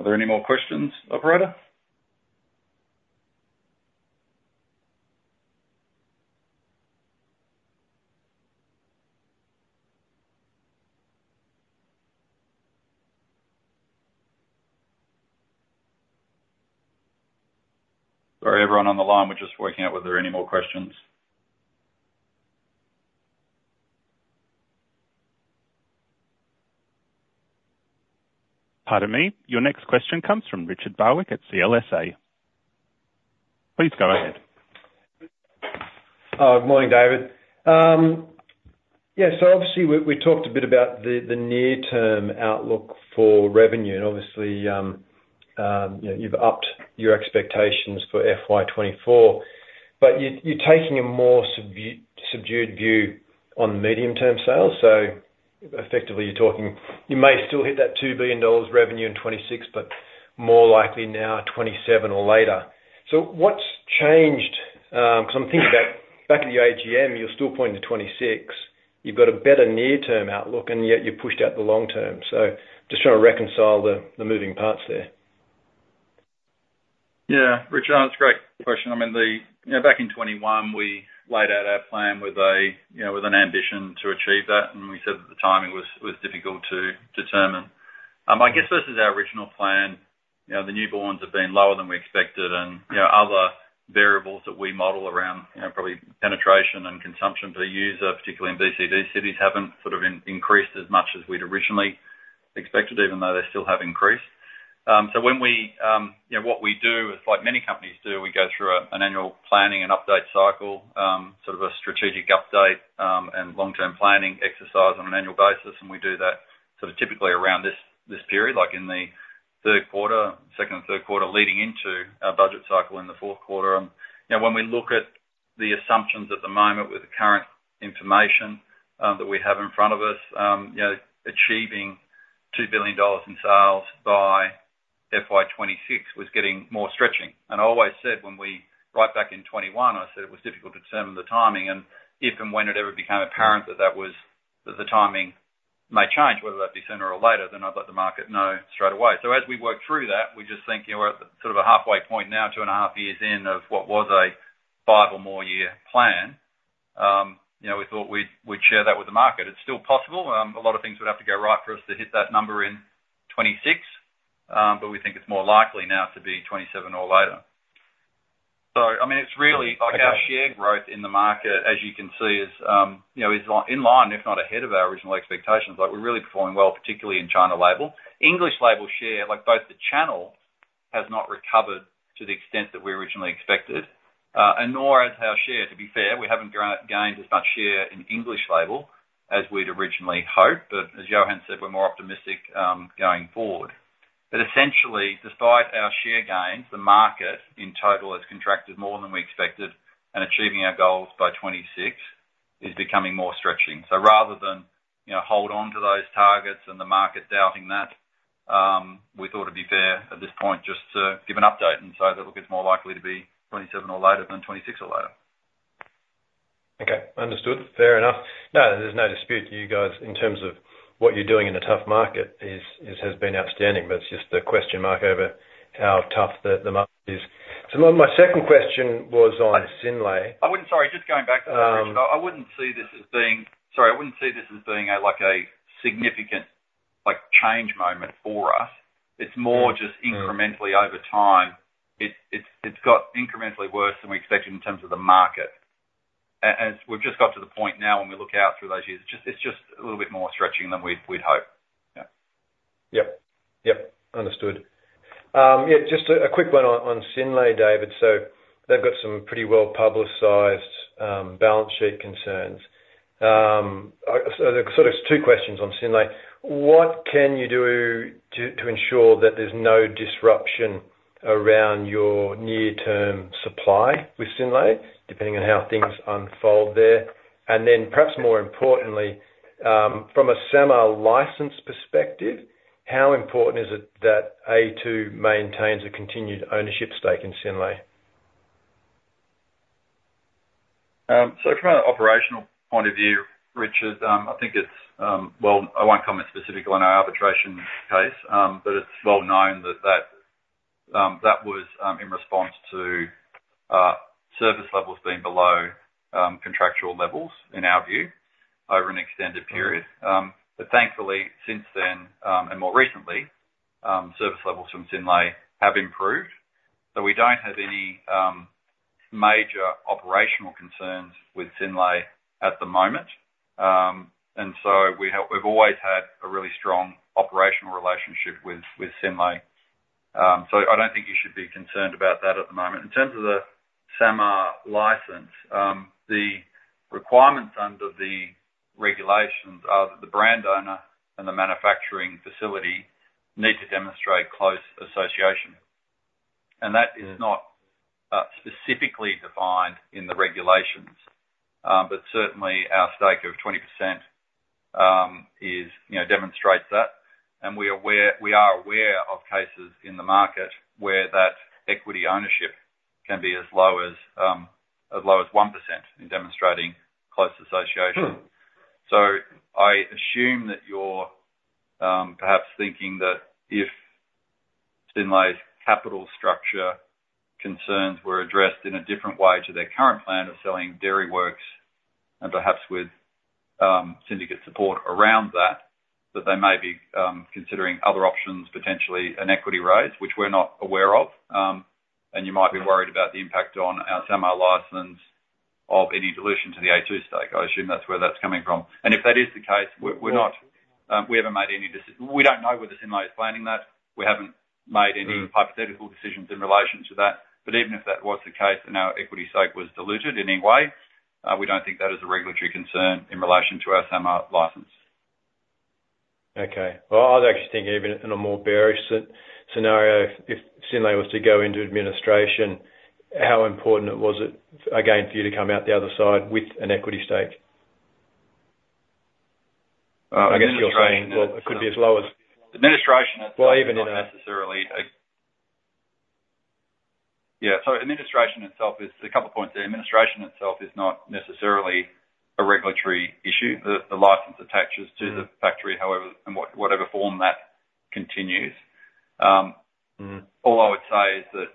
C: Are there any more questions, Loretta? Sorry, everyone on the line, we're just working out were there any more questions?
A: Pardon me. Your next question comes from Richard Barwick at CLSA. Please go ahead.
K: Good morning, David. Yeah, so obviously, we talked a bit about the near-term outlook for revenue, and obviously, you know, you've upped your expectations for FY 2024, but you're taking a more subdued view on medium-term sales. So effectively, you're talking, you may still hit that 2 billion dollars revenue in 2026, but more likely now 2027 or later. So what's changed? 'Cause I'm thinking back at the AGM, you're still pointing to 2026. You've got a better near-term outlook, and yet you pushed out the long term. So just trying to reconcile the moving parts there.
C: Yeah, Richard, that's a great question. I mean, the... You know, back in 2021, we laid out our plan with a, you know, with an ambition to achieve that, and we said that the timing was, was difficult to determine. I guess this is our original plan. You know, the newborns have been lower than we expected, and, you know, other variables that we model around, you know, probably penetration and consumption per user, particularly in BCD cities, haven't sort of increased as much as we'd originally expected, even though they still have increased. So when we, you know, what we do, as like many companies do, we go through a, an annual planning and update cycle, sort of a strategic update, and long-term planning exercise on an annual basis, and we do that sort of typically around this, this period, like in the third quarter, second or third quarter, leading into our budget cycle in the fourth quarter. You know, when we look at the assumptions at the moment with the current information, that we have in front of us, you know, achieving 2 billion dollars in sales by FY 2026 was getting more stretching. And I always said when we... Right back in 2021, I said it was difficult to determine the timing and if and when it ever became apparent that that was, that the timing may change, whether that be sooner or later, then I'd let the market know straight away. So as we work through that, we just think, you know, we're at the sort of a halfway point now, two and a half years in, of what was a five or more year plan. You know, we thought we'd share that with the market. It's still possible. A lot of things would have to go right for us to hit that number in 2026, but we think it's more likely now to be 2027 or later. So I mean, it's really like our share growth in the market, as you can see, is, you know, is in line, if not ahead of our original expectations. Like, we're really performing well, particularly in China Label. English Label share, like both the channel, has not recovered to the extent that we originally expected, and nor has our share. To be fair, we haven't gained as much share in English Label as we'd originally hoped, but as Yohan said, we're more optimistic, going forward. But essentially, despite our share gains, the market in total has contracted more than we expected, and achieving our goals by 2026 is becoming more stretching. Rather than, you know, hold on to those targets and the market doubting that, we thought it'd be fair at this point just to give an update and say that, look, it's more likely to be 2027 or later than 2026 or later.
K: Okay, understood. Fair enough. No, there's no dispute, you guys, in terms of what you're doing in a tough market is—has been outstanding, but it's just the question mark over how tough the market is. So my second question was on Synlait-
C: I wouldn't... Sorry, just going back to that, Richard.
K: Um-
C: I wouldn't see this as being... Sorry, I wouldn't see this as being a, like a significant, like, change moment for us.
K: Yeah.
C: It's more just-
K: Sure...
C: incrementally over time. It's got incrementally worse than we expected in terms of the market. And we've just got to the point now when we look out through those years, it's just a little bit more stretching than we'd hope. Yeah.
K: Yep. Yep, understood. Yeah, just a quick one on Synlait, David. So they've got some pretty well-publicized balance sheet concerns. So there's sort of two questions on Synlait: What can you do to ensure that there's no disruption around your near-term supply with Synlait, depending on how things unfold there? And then, perhaps more importantly, from a semi-license perspective, how important is it that a2 maintains a continued ownership stake in Synlait?
C: So from an operational point of view, Richard, I think it's... Well, I won't comment specifically on our arbitration case, but it's well known that that was in response to service levels being below contractual levels, in our view, over an extended period. But thankfully, since then and more recently, service levels from Synlait have improved, so we don't have any major operational concerns with Synlait at the moment. And so we've always had a really strong operational relationship with Synlait. So I don't think you should be concerned about that at the moment. In terms of the SAMR license, the requirements under the regulations are that the brand owner and the manufacturing facility need to demonstrate close association. That is not specifically defined in the regulations, but certainly our stake of 20%, you know, demonstrates that. We are aware, we are aware of cases in the market where that equity ownership can be as low as 1% in demonstrating close association.
K: Hmm.
C: So I assume that you're perhaps thinking that if Synlait's capital structure concerns were addressed in a different way to their current plan of selling Dairyworks, and perhaps with syndicate support around that, that they may be considering other options, potentially an equity raise, which we're not aware of. And you might be worried about the impact on our SAMR license of any dilution to the a2 stake. I assume that's where that's coming from. And if that is the case, we're not. We don't know whether Synlait is planning that. We haven't made any hypothetical decisions in relation to that. But even if that was the case and our equity stake was diluted in any way, we don't think that is a regulatory concern in relation to our SAMR license.
K: Okay. Well, I was actually thinking even in a more bearish scenario, if Synlait was to go into administration, how important was it, again, for you to come out the other side with an equity stake?
C: I guess you're saying-
K: Well, it could be as low as-
C: Administration itself-
K: Well, even in a-
C: Yeah, so administration itself is a couple of points there. Administration itself is not necessarily a regulatory issue. The license attaches to the factory, however, and whatever form that continues.
K: Mm.
C: All I would say is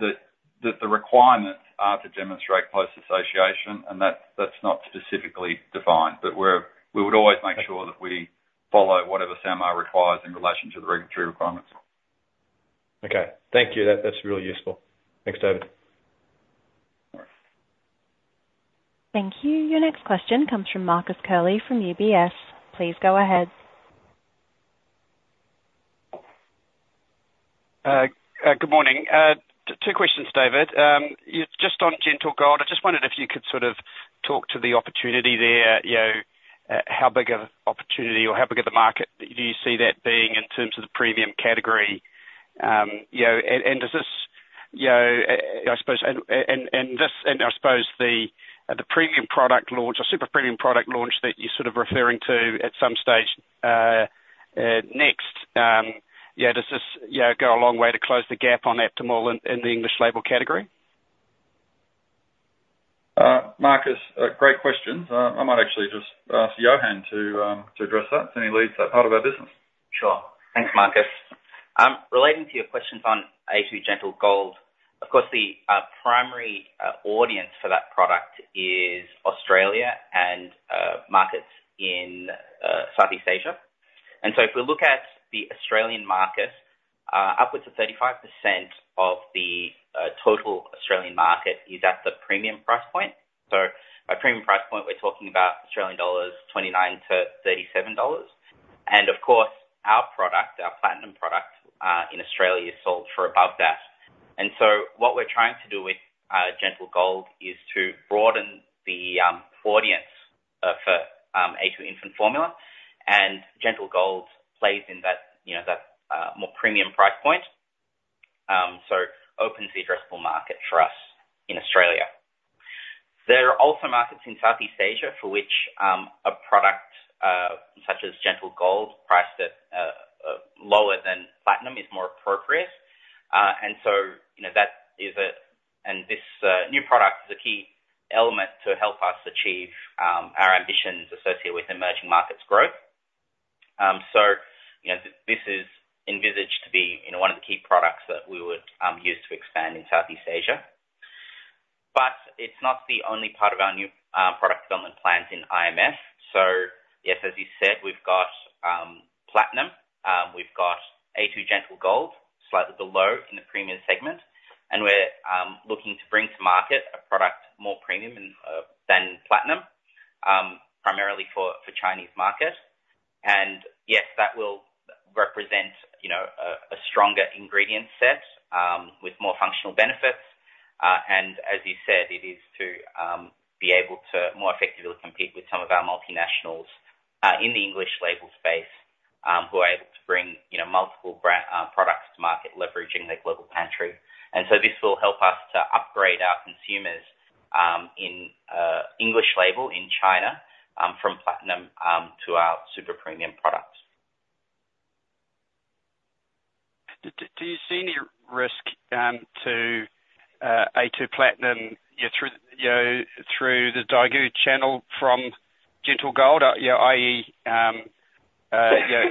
C: that the requirements are to demonstrate close association, and that's not specifically defined. But we would always make sure that we follow whatever SAMR requires in relation to the regulatory requirements.
K: Okay. Thank you. That, that's really useful. Thanks, David.
A: Thank you. Your next question comes from Marcus Curley, from UBS. Please go ahead.
L: Good morning. Two questions, David. Just on Gentle Gold, I just wondered if you could sort of talk to the opportunity there, you know, how big of an opportunity or how big of the market do you see that being in terms of the premium category? You know, and does this, you know, I suppose... And this, and I suppose the premium product launch or super premium product launch that you're sort of referring to at some stage, next, yeah, does this, you know, go a long way to close the gap on Aptamil in the English label category?
C: Marcus, great questions. I might actually just ask Yohan to address that, since he leads that part of our business.
F: Sure. Thanks, Marcus. Relating to your questions on a2 Gentle Gold, of course, the primary audience for that product is Australia and markets in Southeast Asia. And so if we look at the Australian market, upwards of 35% of the total Australian market is at the premium price point. So our premium price point, we're talking about Australian dollars, 29-37 dollars. And of course, our product, our Platinum product, in Australia, is sold for above that. And so what we're trying to do with Gentle Gold is to broaden the audience for a2 infant formula, and Gentle Gold plays in that, you know, that more premium price point, so opens the addressable market for us in Australia. There are also markets in Southeast Asia for which a product such as Gentle Gold, priced at lower than Platinum, is more appropriate. And so, you know, this new product is a key element to help us achieve our ambitions associated with emerging markets growth. So, you know, this is envisaged to be, you know, one of the key products that we would use to expand in Southeast Asia. But it's not the only part of our new product development plans in IMF. So yes, as you said, we've got Platinum, we've got a2 Gentle Gold, slightly below in the premium segment, and we're looking to bring to market a product more premium than Platinum, primarily for Chinese market. Yes, that will represent, you know, a stronger ingredient set with more functional benefits. As you said, it is to be able to more effectively compete with some of our multinationals in the English label space who are able to bring, you know, multiple brand products to market, leveraging their global pantry. So this will help us to upgrade our consumers in English label in China from platinum to our super premium products.
L: Do you see any risk to a2 Platinum, you know, through the Daigou channel from a2 Gentle Gold, you know, i.e., you know,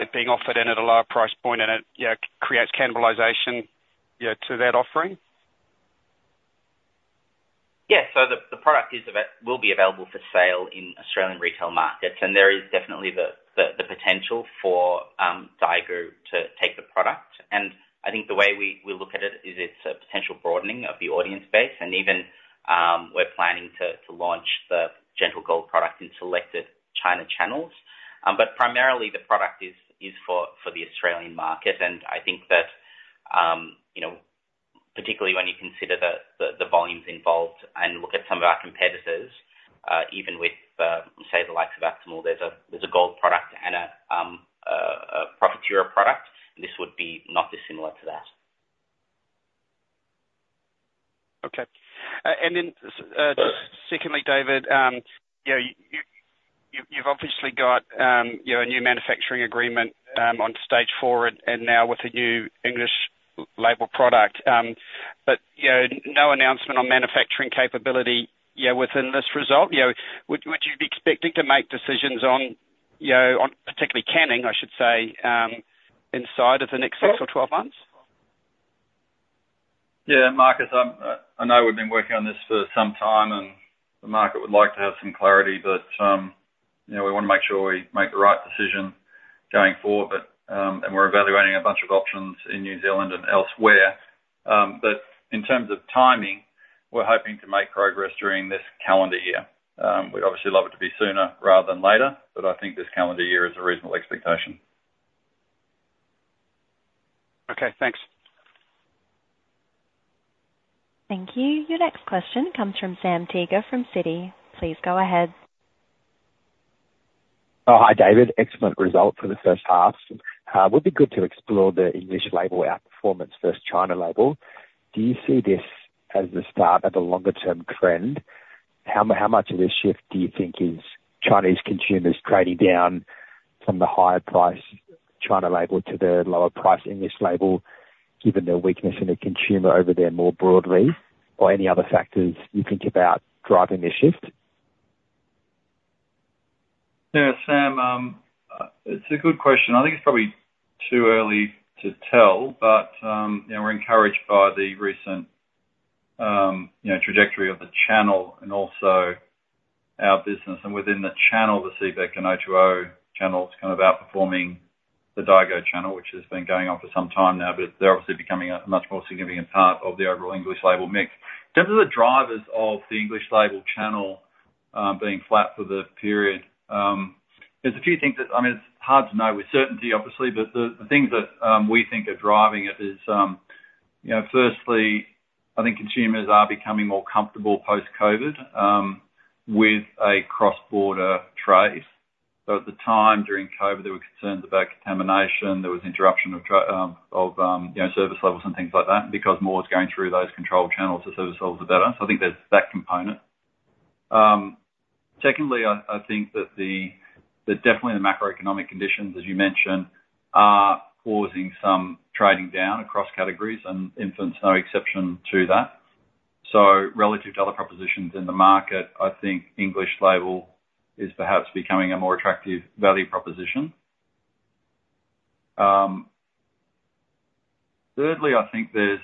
L: it being offered in at a lower price point and it, you know, creates cannibalization, you know, to that offering?
F: Yeah. So the product will be available for sale in Australian retail markets, and there is definitely the potential for Daigou to take the product. And I think the way we look at it is it's a potential broadening of the audience base, and even we're planning to launch the Gentle Gold product in selected China channels. But primarily the product is for the Australian market. And I think that, you know, particularly when you consider the volumes involved and look at some of our competitors, even with say the likes of Aptamil, there's a Gold product and a Profutura product, this would be not dissimilar to that.
L: Okay. And then, secondly, David, you know, you've obviously got, you know, a new manufacturing agreement on Stage Four and now with a new English label product. But, you know, no announcement on manufacturing capability, yeah, within this result. You know, would you be expecting to make decisions on, you know, on particularly canning, I should say, inside of the next six or 12 months?
C: Yeah, Marcus, I know we've been working on this for some time, and the market would like to have some clarity, but, you know, we wanna make sure we make the right decision going forward. But, and we're evaluating a bunch of options in New Zealand and elsewhere. But in terms of timing, we're hoping to make progress during this calendar year. We'd obviously love it to be sooner rather than later, but I think this calendar year is a reasonable expectation.
L: Okay, thanks.
A: Thank you. Your next question comes from Sam Teeger from Citi. Please go ahead.
M: Oh, hi, David. Excellent result for the first half. Would be good to explore the English label outperformance versus China label. Do you see this as the start of a longer term trend? How much of this shift do you think is Chinese consumers trading down from the higher price China label to the lower price English label, given the weakness in the consumer over there more broadly, or any other factors you think about driving this shift?
C: Yeah, Sam, it's a good question. I think it's probably too early to tell, but, you know, we're encouraged by the recent, you know, trajectory of the channel and also our business. And within the channel, the CBEC and O2O channel, it's kind of outperforming the daigou channel, which has been going on for some time now, but they're obviously becoming a much more significant part of the overall English label mix. In terms of the drivers of the English label channel, being flat for the period, there's a few things that... I mean, it's hard to know with certainty, obviously, but the, the things that, we think are driving it is, you know, firstly, I think consumers are becoming more comfortable post-COVID, with a cross-border trade. So at the time, during COVID, there were concerns about contamination, there was interruption of service levels and things like that, because more was going through those controlled channels, the service levels were better. So I think there's that component. Secondly, I think that definitely the macroeconomic conditions, as you mentioned, are causing some trading down across categories and infants, no exception to that. So relative to other propositions in the market, I think English label is perhaps becoming a more attractive value proposition. Thirdly, I think there's,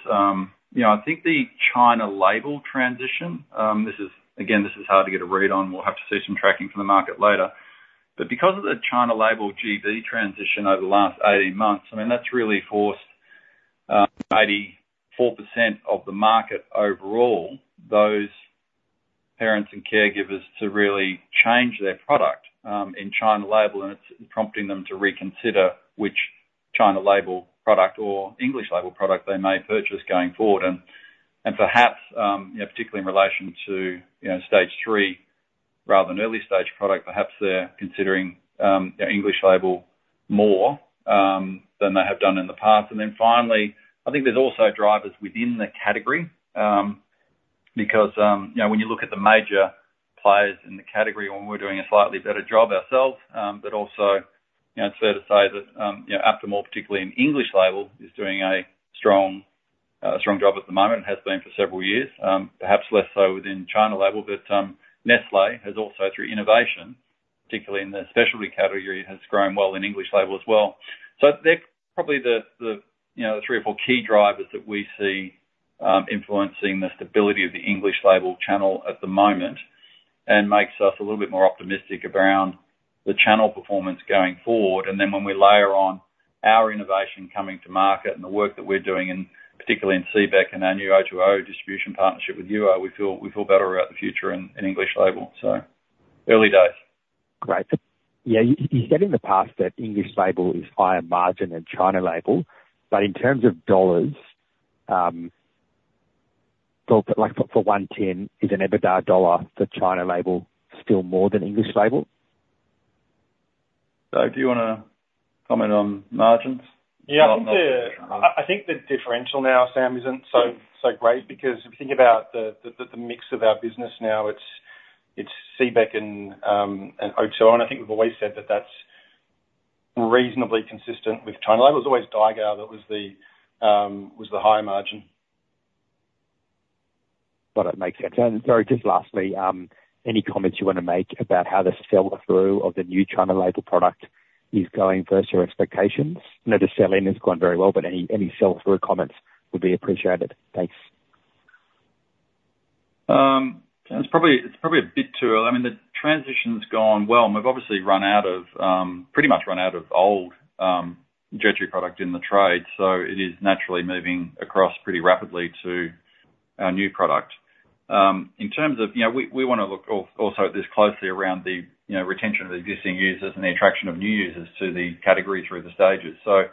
C: you know, I think the China label transition, this is again, this is hard to get a read on. We'll have to see some tracking from the market later. But because of the China label GB transition over the last 18 months, I mean, that's really forced 84% of the market overall, those parents and caregivers, to really change their product in China label, and it's prompting them to reconsider which China label product or English label product they may purchase going forward. And, and perhaps, you know, particularly in relation to, you know, Stage 3 rather than early stage product, perhaps they're considering their English label more than they have done in the past. And then finally, I think there's also drivers within the category, because, you know, when you look at the major players in the category, when we're doing a slightly better job ourselves, but also, you know, it's fair to say that, you know, Aptamil, particularly in English label, is doing a strong, strong job at the moment and has been for several years, perhaps less so within China label. But, Nestlé has also, through innovation, particularly in the specialty category, has grown well in English label as well. So they're probably the, you know, the three or four key drivers that we see, influencing the stability of the English label channel at the moment and makes us a little bit more optimistic around the channel performance going forward. And then when we layer on our innovation coming to market and the work that we're doing in, particularly in CBEC and our new O2O distribution partnership with Yuou, we feel, we feel better about the future in, in English label, so early days.
M: Great. Yeah, you said in the past that English label is higher margin than China label, but in terms of dollars, so like for one tin, is an EBITDA dollar for China label still more than English label?
C: Do you wanna comment on margins?
F: Yeah, I think the differential now, Sam, isn't so great because if you think about the mix of our business now, it's CBEC and O2O, and I think we've always said that that's reasonably consistent with China. It was always Daigou that was the higher margin.
M: But it makes sense. And sorry, just lastly, any comments you wanna make about how the sell-through of the new China label product is going versus your expectations? I know the sell-in has gone very well, but any, any sell-through comments would be appreciated. Thanks....
C: It's probably a bit too early. I mean, the transition's gone well, and we've obviously pretty much run out of old dairy product in the trade, so it is naturally moving across pretty rapidly to our new product. In terms of, you know, we wanna look also at this closely around the, you know, retention of the existing users and the attraction of new users to the category through the stages. So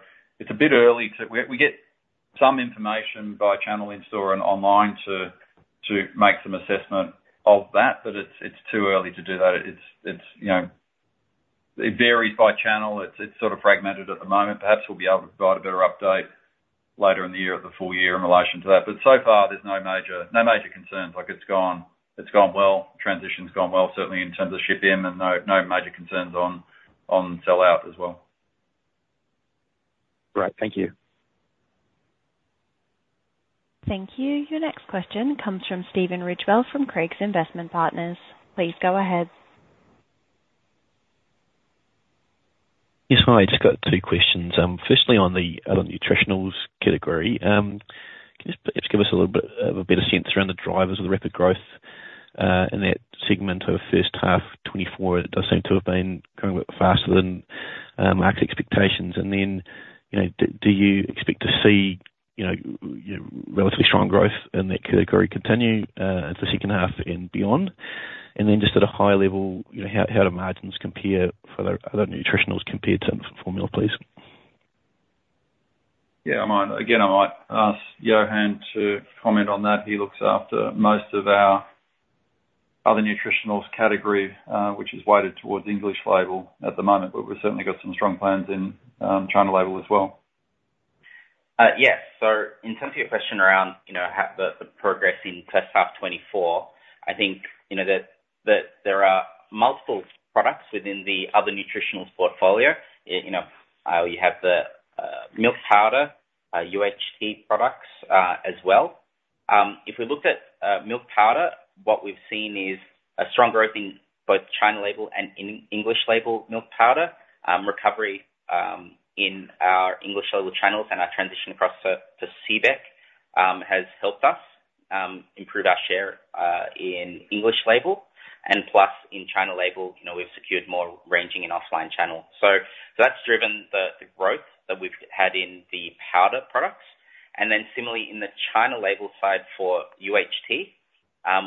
C: it's a bit early to... We get some information via channel in-store and online to make some assessment of that, but it's too early to do that. It's, you know, it varies by channel. It's sort of fragmented at the moment. Perhaps we'll be able to provide a better update later in the year or the full year in relation to that. But so far, there's no major, no major concerns. Like, it's gone, it's gone well. Transition's gone well, certainly in terms of ship in, and no, no major concerns on, on sellout as well.
D: Great. Thank you.
A: Thank you. Your next question comes from Stephen Ridgewell, from Craigs Investment Partners. Please go ahead.
N: Yes. Hi, I've just got two questions. Firstly, on the Nutritionals category, can you just perhaps give us a little bit of a better sense around the drivers of the rapid growth in that segment of first half 2024? It does seem to have been going a bit faster than market expectations. And then, you know, do you expect to see, you know, relatively strong growth in that category continue into the second half and beyond? And then just at a high level, you know, how do margins compare for the other Nutritionals compared to formula, please?
C: Yeah, I might. Again, I might ask Yohan to comment on that. He looks after most of our other Nutritionals category, which is weighted towards English label at the moment, but we've certainly got some strong plans in China label as well.
F: Yes. So in terms of your question around, you know, how the progress in first half 2024, I think, you know, that there are multiple products within the other Nutritionals portfolio. You know, we have the milk powder, UHT products, as well. If we looked at milk powder, what we've seen is a strong growth in both China label and in English label milk powder. Recovery in our English label channels and our transition across to CBEC has helped us improve our share in English label. And plus, in China label, you know, we've secured more ranging in offline channel. So that's driven the growth that we've had in the powder products. And then similarly, in the China label side for UHT,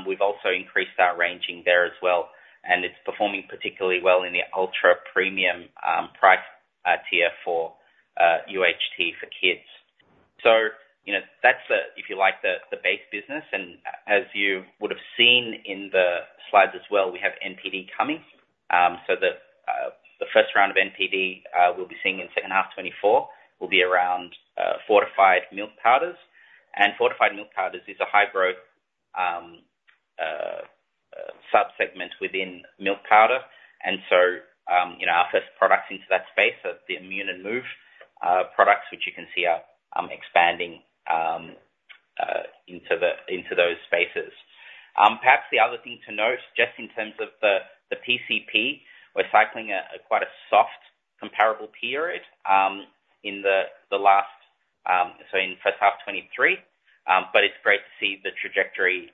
F: we've also increased our ranging there as well, and it's performing particularly well in the ultra-premium price tier for UHT for kids. So, you know, that's the, if you like, the base business, and as you would've seen in the slides as well, we have NPD coming. So the first round of NPD we'll be seeing in second half 2024 will be around fortified milk powders. And fortified milk powders is a high growth sub-segment within milk powder. And so, you know, our first products into that space are the Immune and Move products, which you can see are expanding into those spaces. Perhaps the other thing to note, just in terms of the PCP, we're cycling a quite soft comparable period in the last, so in first half 2023. But it's great to see the trajectory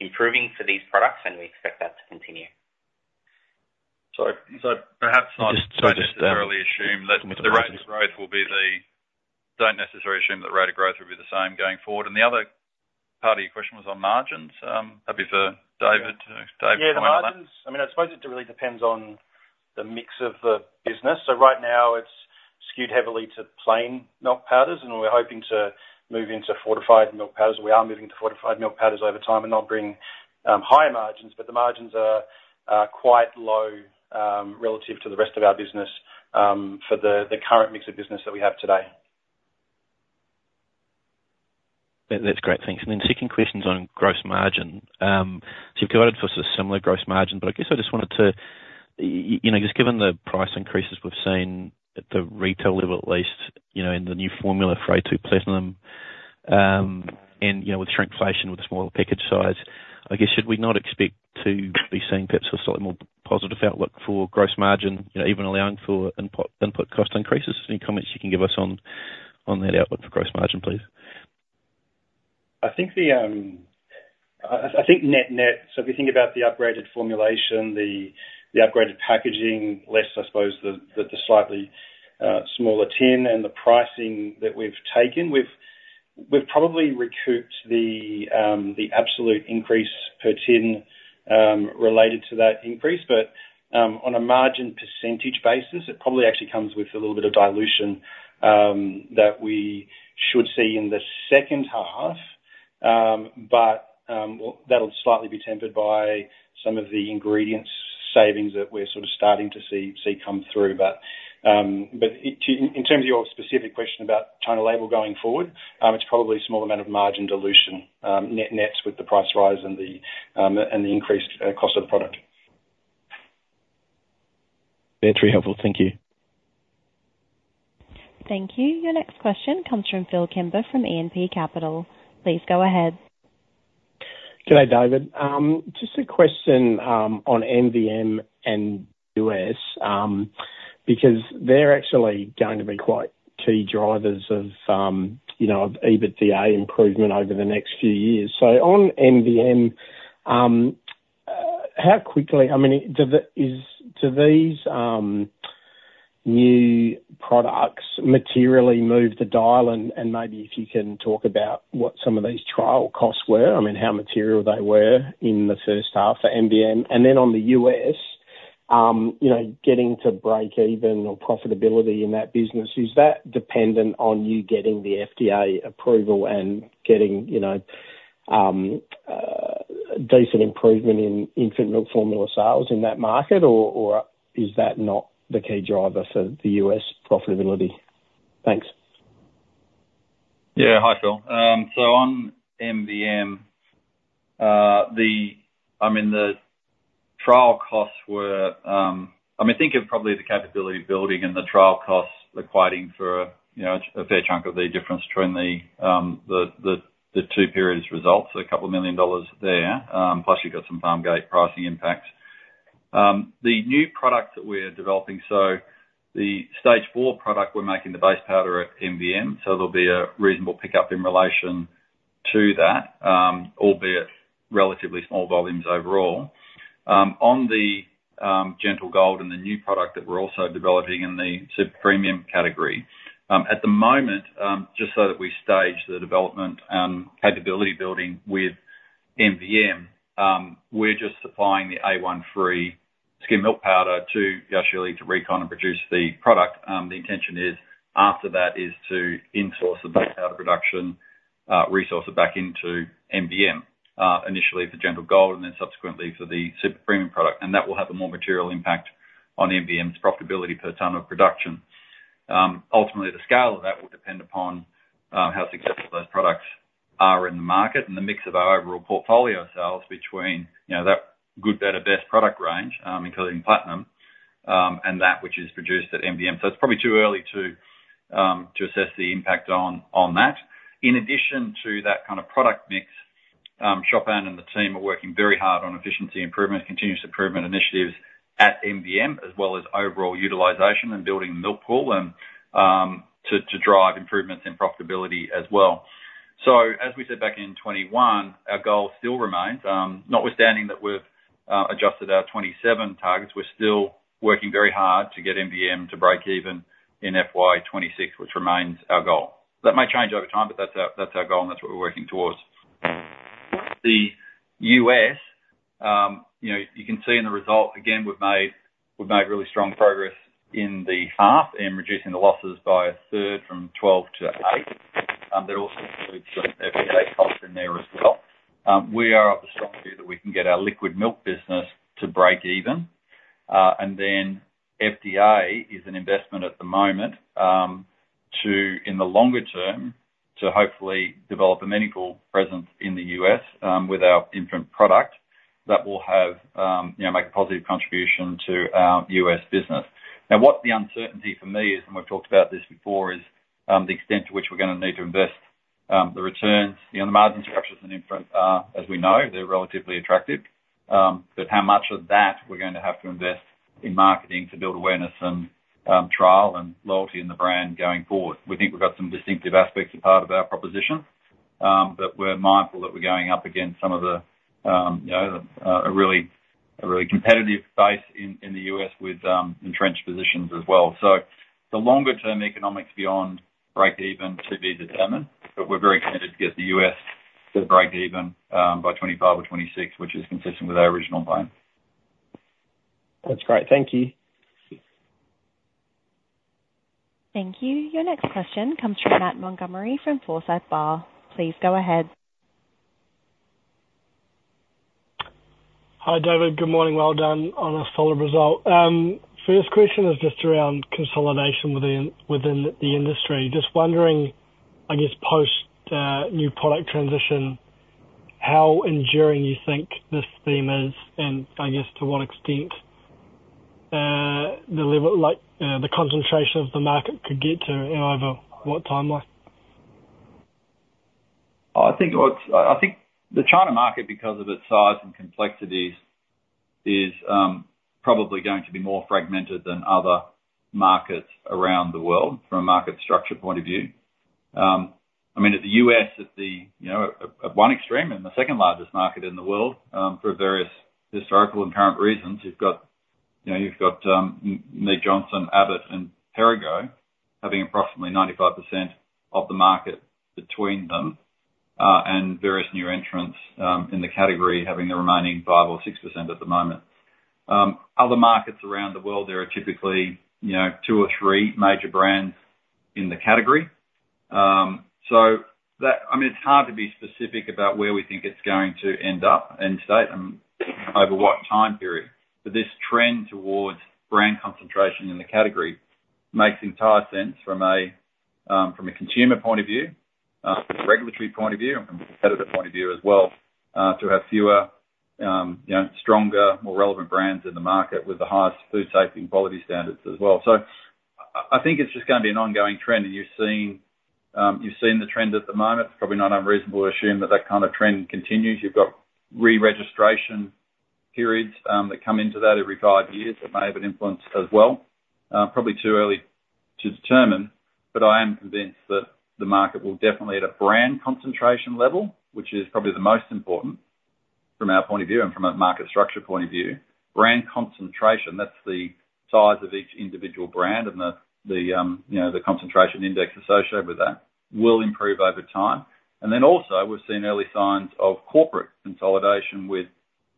F: improving for these products, and we expect that to continue.
C: Don't necessarily assume that the rate of growth will be the same going forward. The other part of your question was on margins. Happy for David to - Dave
D: Yeah, the margins, I mean, I suppose it really depends on the mix of the business. So right now, it's skewed heavily to plain milk powders, and we're hoping to move into fortified milk powders. We are moving to fortified milk powders over time and they'll bring higher margins, but the margins are quite low relative to the rest of our business for the current mix of business that we have today.
N: That, that's great. Thanks. And then second question's on gross margin. So you've guided for similar gross margin, but I guess I just wanted to, you know, just given the price increases we've seen at the retail level, at least, you know, in the new formula for a2 Platinum, and, you know, with shrinkflation, with the smaller package size, I guess, should we not expect to be seeing perhaps a slightly more positive outlook for gross margin, you know, even allowing for input, input cost increases? Any comments you can give us on, on that outlook for gross margin, please?
C: I think net-net, so if you think about the upgraded formulation, the upgraded packaging, I suppose the slightly smaller tin and the pricing that we've taken, we've probably recouped the absolute increase per tin related to that increase. But on a margin percentage basis, it probably actually comes with a little bit of dilution that we should see in the second half. But well, that'll slightly be tempered by some of the ingredients savings that we're sort of starting to see come through. But in terms of your specific question about China label going forward, it's probably a small amount of margin dilution, net-nets with the price rise and the increased cost of the product.
N: That's very helpful. Thank you.
A: Thank you. Your next question comes from Phil Kimber, from E&P Capital. Please go ahead.
O: G'day, David. Just a question on MVM and US because they're actually going to be quite key drivers of, you know, of EBITDA improvement over the next few years. So on MVM, how quickly, I mean, do these new products materially move the dial? And maybe if you can talk about what some of these trial costs were, I mean, how material they were in the first half for MVM. And then on the US, you know, getting to breakeven or profitability in that business, is that dependent on you getting the FDA approval and getting, you know, decent improvement in infant milk formula sales in that market? Or is that not the key driver for the US profitability? Thanks.
C: Yeah. Hi, Phil. So on MVM, the, I mean, the trial costs were, I mean, think of probably the capability of building and the trial costs equating for, you know, a fair chunk of the difference between the two periods results, 2 million dollars there, plus you've got some farm gate pricing impacts. The new product that we're developing, so the Stage 4 product, we're making the base powder at MVM, so there'll be a reasonable pickup in relation to that, albeit relatively small volumes overall. On the Gentle Gold and the new product that we're also developing in the super premium category, at the moment, just so that we stage the development, capability building with MVM, we're just supplying the A1-free skim milk powder to Yashili, to reconstitute and produce the product. The intention is, after that, to insource the base powder production, resource it back into MVM, initially for Gentle Gold, and then subsequently for the super premium product. And that will have a more material impact on MVM's profitability per ton of production. Ultimately, the scale of that will depend upon how successful those products are in the market and the mix of our overall portfolio sales, between, you know, that good, better, best product range, including Platinum, and that which is produced at MVM. So it's probably too early to assess the impact on that. In addition to that kind of product mix, Chopin and the team are working very hard on efficiency improvement, continuous improvement initiatives at MVM, as well as overall utilization and building the milk pool, and to drive improvements in profitability as well. So, as we said back in 2021, our goal still remains, notwithstanding that we've adjusted our 2027 targets, we're still working very hard to get MVM to break even in FY 2026, which remains our goal. That may change over time, but that's our goal, and that's what we're working towards. The US, you know, you can see in the results, again, we've made really strong progress in the half in reducing the losses by a third, from 12 million to 8 million. There also includes some FDA costs in there as well. We are of the strong view that we can get our liquid milk business to break even. And then FDA is an investment at the moment, in the longer term, to hopefully develop a medical presence in the US, with our infant product that will have, you know, make a positive contribution to our US business. Now, what the uncertainty for me is, and we've talked about this before, is the extent to which we're gonna need to invest, the returns. You know, the margin structures in infant, as we know, they're relatively attractive, but how much of that we're going to have to invest in marketing to build awareness and, trial and loyalty in the brand going forward? We think we've got some distinctive aspects as part of our proposition, but we're mindful that we're going up against some of the, you know, a really competitive base in the US with entrenched positions as well. So the longer term economics beyond break even to be determined, but we're very committed to get the US to break even by 2025 or 2026, which is consistent with our original plan.
O: That's great. Thank you.
A: Thank you. Your next question comes from Matt Montgomerie, from Forsyth Barr. Please go ahead.
P: Hi, David. Good morning. Well done on a solid result. First question is just around consolidation within the industry. Just wondering, I guess, post new product transition, how enduring you think this theme is, and I guess to what extent the level, like, the concentration of the market could get to and over what timeline?
C: I think the China market, because of its size and complexities, is probably going to be more fragmented than other markets around the world, from a market structure point of view. I mean, at the U.S., you know, at one extreme and the second largest market in the world, for various historical and current reasons, you've got, you know, you've got Mead Johnson, Abbott, and Perrigo having approximately 95% of the market between them, and various new entrants in the category having the remaining 5 or 6% at the moment. Other markets around the world, there are typically, you know, two or three major brands in the category. So, I mean, it's hard to be specific about where we think it's going to end up and state over what time period, but this trend towards brand concentration in the category makes entire sense from a, from a consumer point of view, regulatory point of view, and competitive point of view as well, to have fewer, you know, stronger, more relevant brands in the market with the highest food safety and quality standards as well. So, I think it's just gonna be an ongoing trend, and you've seen, you've seen the trend at the moment. It's probably not unreasonable to assume that that kind of trend continues. You've got re-registration periods that come into that every five years, that may have an influence as well. Probably too early to determine, but I am convinced that the market will definitely, at a brand concentration level, which is probably the most important from our point of view and from a market structure point of view, brand concentration, that's the size of each individual brand and the, the, you know, the concentration index associated with that, will improve over time. And then also, we've seen early signs of corporate consolidation with,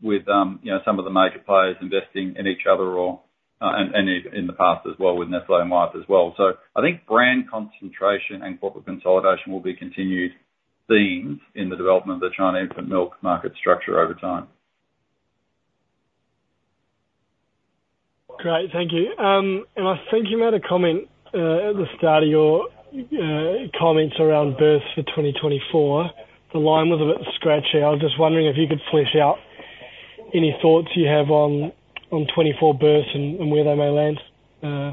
C: with, you know, some of the major players investing in each other or, and, and in, in the past as well, with Nestlé and Wyeth as well. So I think brand concentration and corporate consolidation will be continued themes in the development of the China infant milk market structure over time.
P: Great. Thank you. I think you made a comment at the start of your comments around births for 2024. The line was a bit scratchy. I was just wondering if you could flesh out any thoughts you have on 2024 births and where they may land? Yeah.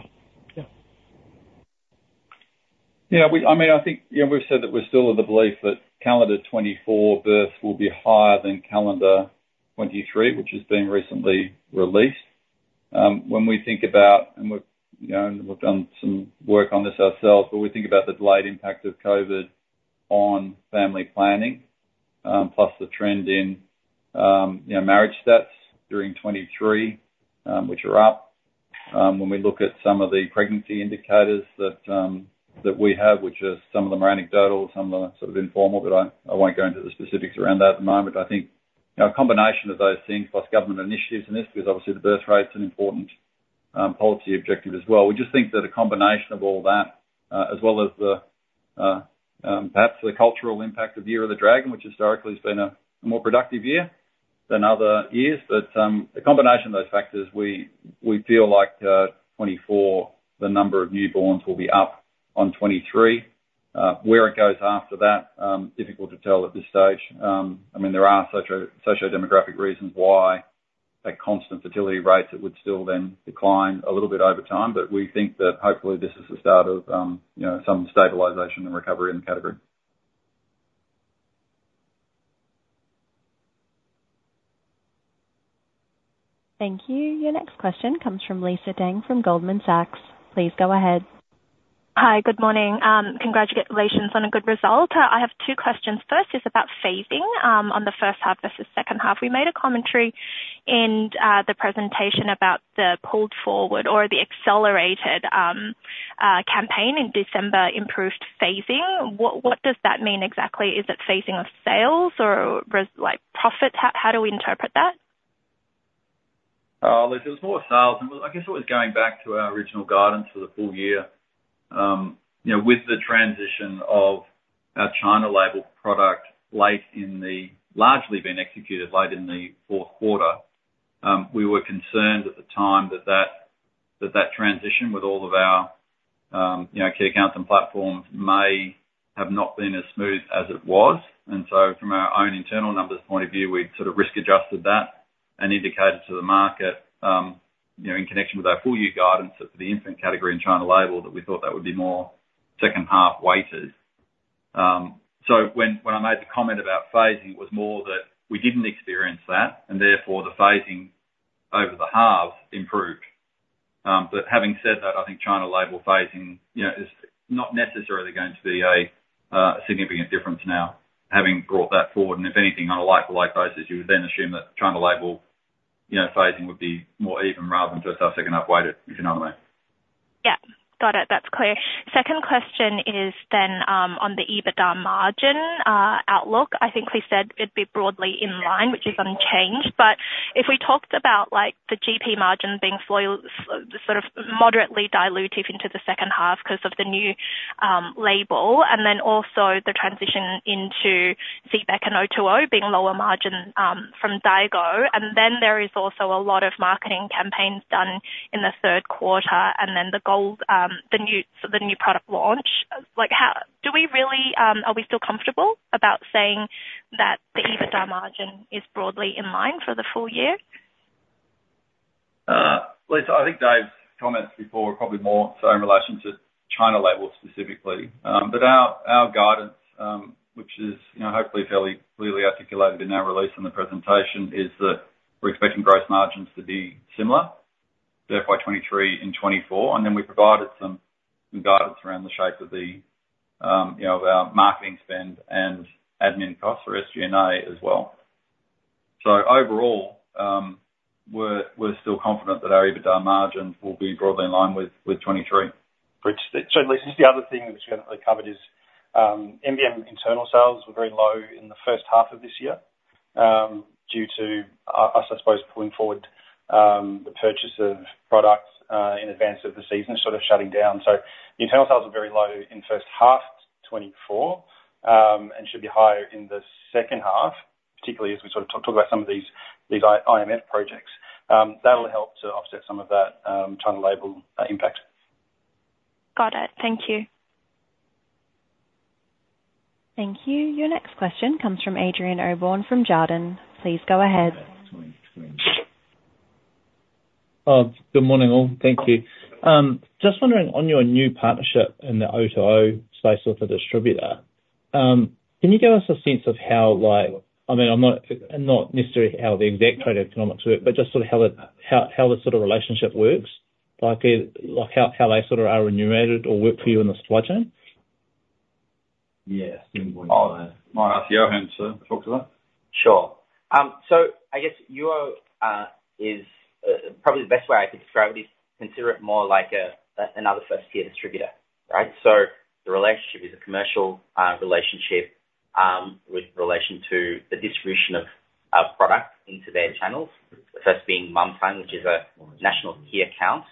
C: Yeah, I mean, I think, you know, we've said that we're still of the belief that calendar 2024 births will be higher than calendar 2023, which has been recently released. When we think about... And we've, you know, and we've done some work on this ourselves, but we think about the delayed impact of COVID on family planning, plus the trend in, you know, marriage stats during 2023, which are up. When we look at some of the pregnancy indicators that, that we have, which are, some of them are anecdotal, some of them are sort of informal, but I won't go into the specifics around that at the moment. I think, you know, a combination of those things, plus government initiatives in this, because obviously the birthrate's an important policy objective as well. We just think that a combination of all that, as well as the, perhaps the cultural impact of the Year of the Dragon, which historically has been a more productive year than other years. But, a combination of those factors, we feel like, 2024, the number of newborns will be up on 2023. Where it goes after that, difficult to tell at this stage. I mean, there are sociodemographic reasons why at constant fertility rates, it would still then decline a little bit over time, but we think that hopefully this is the start of, you know, some stabilization and recovery in the category.
A: Thank you. Your next question comes from Lisa Deng, from Goldman Sachs. Please go ahead.
Q: Hi, good morning. Congratulations on a good result. I have two questions. First is about phasing on the first half versus second half. We made a commentary in the presentation about the pulled forward or the accelerated campaign in December, improved phasing. What does that mean exactly? Is it phasing of sales or like, profit? How do we interpret that?
C: Lisa, it's more sales, and I guess it was going back to our original guidance for the full year. You know, with the transition of our China label product late in the year largely being executed late in the fourth quarter, we were concerned at the time that that transition with all of our, you know, key accounts and platforms may have not been as smooth as it was. And so from our own internal numbers point of view, we'd sort of risk adjusted that and indicated to the market, you know, in connection with our full year guidance that for the infant category and China label, that we thought that would be more second half weighted. So when I made the comment about phasing, it was more that we didn't experience that, and therefore, the phasing over the half improved. But having said that, I think China label phasing, you know, is not necessarily going to be a significant difference now, having brought that forward. If anything, on a like-to-like basis, you would then assume that China label, you know, phasing would be more even rather than just as second half weighted, if you know what I mean.
Q: Yeah. Got it. That's clear. Second question is then, on the EBITDA margin outlook. I think we said it'd be broadly in line, which is unchanged, but if we talked about, like, the GP margin being sort of moderately dilutive into the second half 'cause of the new label, and then also the transition into Feedback and O2O being lower margin, from Daigou. And then there is also a lot of marketing campaigns done in the third quarter, and then the gold, the new, the new product launch. Like, how do we really, are we still comfortable about saying that the-
C: Mm-hmm...
Q: EBITDA margin is broadly in line for the full year?
C: Lisa, I think Dave's comments before were probably more so in relation to China label specifically. But our guidance, which is, you know, hopefully fairly clearly articulated in our release in the presentation, is that we're expecting gross margins to be similar, therefore, 2023 and 2024. And then we provided some guidance around the shape of the, you know, of our marketing spend and admin costs, or SG&A, as well. So overall, we're still confident that our EBITDA margins will be broadly in line with 2023.
D: Which certainly, this is the other thing which we haven't really covered is, MVM internal sales were very low in the first half of this year, due to us, I suppose, pulling forward, the purchase of products, in advance of the season sort of shutting down. So internal sales are very low in first half 2024, and should be higher in the second half, particularly as we sort of talk, talk about some of these, these IMF projects. That'll help to offset some of that, China label impact.
Q: Got it. Thank you.
A: Thank you. Your next question comes from Adrian Allbon from Jarden. Please go ahead.
R: Good morning, all. Thank you. Just wondering, on your new partnership in the O2O space with the distributor, can you give us a sense of how, like... I mean, I'm not necessarily how the exact trade economics work, but just sort of how the sort of relationship works, like, like, how they sort of are remunerated or work for you in the supply chain?
C: Yes. Oh, might ask Yohan to talk to that.
F: Sure. So I guess Yuou is probably the best way I could describe it is consider it more like a another first-tier distributor, right? So the relationship is a commercial relationship with relation to the distribution of our product into their channels. So that's being Mumtime, which is a national key account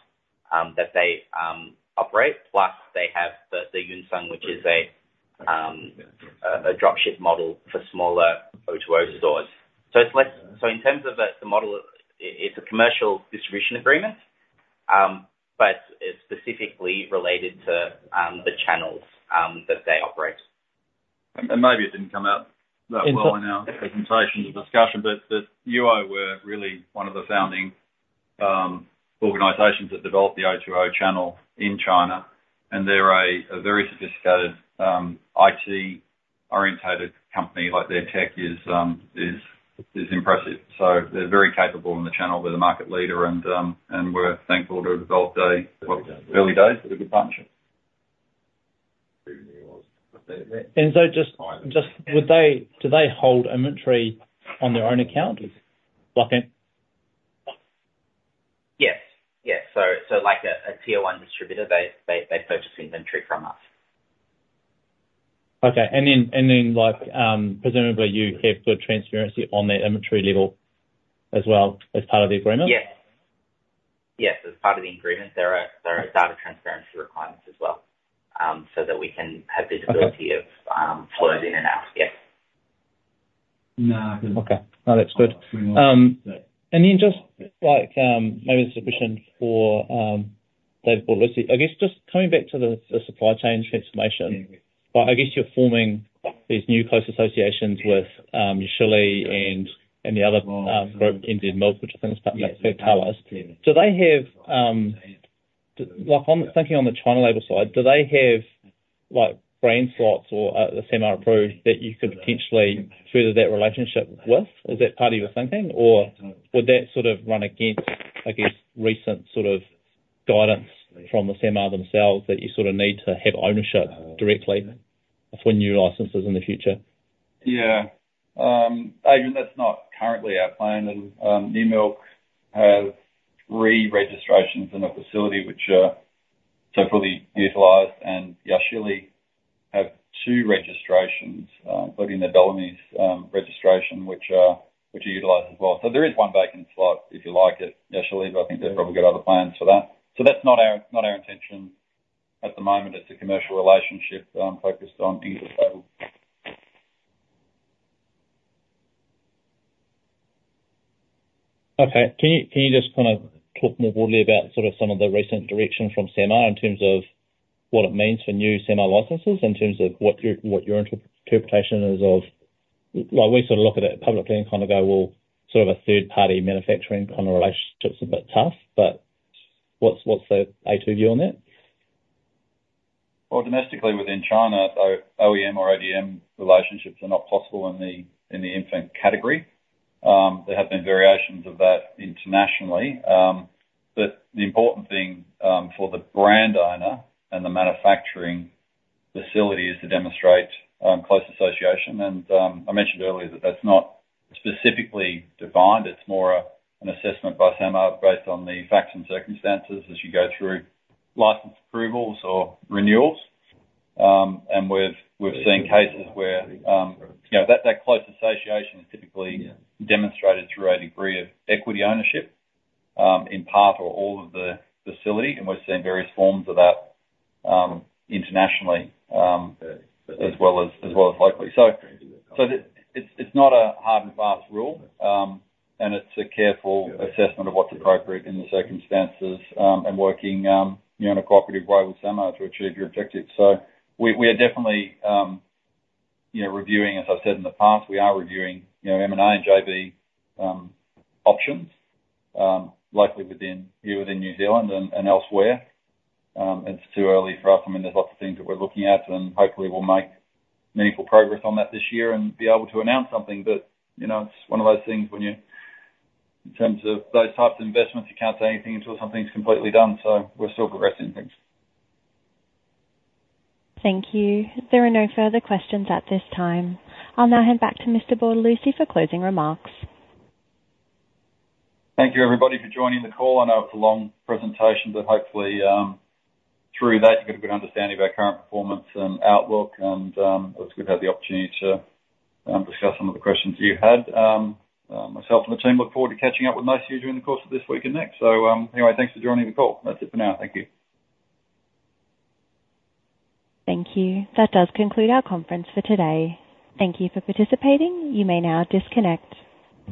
F: that they operate, plus they have the Yuncong, which is a drop ship model for smaller O2O stores. So in terms of the model, it's a commercial distribution agreement, but it's specifically related to the channels that they operate.
C: Maybe it didn't come out that well in our presentation or discussion, but Yuou were really one of the founding organizations that developed the O2O channel in China, and they're a very sophisticated IT-oriented company, like their tech is impressive. So they're very capable in the channel. They're the market leader, and we're thankful to have developed, well, early days with a good partner.
R: Would they hold inventory on their own account? Like a-
F: Yes. So, like a tier one distributor, they purchase inventory from us.
R: Okay. And then, like, presumably you have good transparency on their inventory level as well as part of the agreement?
F: Yes. Yes, as part of the agreement, there are data transparency requirements as well, so that we can have visibility-
R: Okay.
F: - of, flows in and out. Yes.
C: No.
R: Okay. No, that's good. And then just, like, maybe this is a question for, David Bortolussi. I guess, just coming back to the, the supply chain transformation, but I guess you're forming these new close associations with, Yili and, and the other, group, NZ Milk, which I think is Lactalis. Do they have... Like, I'm thinking on the China Label side, do they have, like, brand slots or, the semi-approved, that you could potentially further that relationship with? Is that part of your thinking, or would that sort of run against, I guess, recent sort of guidance from the SAMR themselves, that you sort of need to have ownership directly for new licenses in the future?
C: Yeah. Adrian, that's not currently our plan. And, New Zealand New Milk have three registrations in the facility, which are so fully utilized, and Yashili have 2 registrations, including the Bellamy's, registration, which are utilized as well. So there is one vacant slot, if you like it, Yashili, but I think they've probably got other plans for that. So that's not our intention at the moment. It's a commercial relationship, focused on Yashili.
R: Okay. Can you just kind of talk more broadly about sort of some of the recent direction from SAMR in terms of what it means for new SAMR licenses, in terms of what your interpretation is of... Like, we sort of look at it publicly and kind of go, "Well, sort of a third-party manufacturing kind of relationship is a bit tough," but what's the a2 view on that?
C: Well, domestically, within China, OEM or ODM relationships are not possible in the infant category. There have been variations of that internationally, but the important thing for the brand owner and the manufacturing facility is to demonstrate close association. And I mentioned earlier that that's not specifically defined, it's more an assessment by SAMR based on the facts and circumstances as you go through license approvals or renewals. And we've seen cases where, you know, that close association is typically demonstrated through a degree of equity ownership in part or all of the facility, and we've seen various forms of that internationally, as well as locally. So it's not a hard and fast rule, and it's a careful assessment of what's appropriate in the circumstances, and working, you know, in a cooperative way with SAMR to achieve your objectives. So we are definitely, you know, reviewing, as I said, in the past, we are reviewing, you know, M&A and JV options, likely within here within New Zealand and elsewhere. It's too early for us. I mean, there's lots of things that we're looking at, and hopefully we'll make meaningful progress on that this year and be able to announce something. But, you know, it's one of those things when you ... In terms of those types of investments, you can't say anything until something's completely done, so we're still progressing things.
A: Thank you. There are no further questions at this time. I'll now hand back to Mr. Bortolussi for closing remarks.
C: Thank you, everybody, for joining the call. I know it's a long presentation, but hopefully, through that, you get a good understanding of our current performance and outlook and, it's good to have the opportunity to discuss some of the questions you had. Myself and the team look forward to catching up with most of you during the course of this week and next. So, anyway, thanks for joining the call. That's it for now. Thank you.
A: Thank you. That does conclude our conference for today. Thank you for participating. You may now disconnect.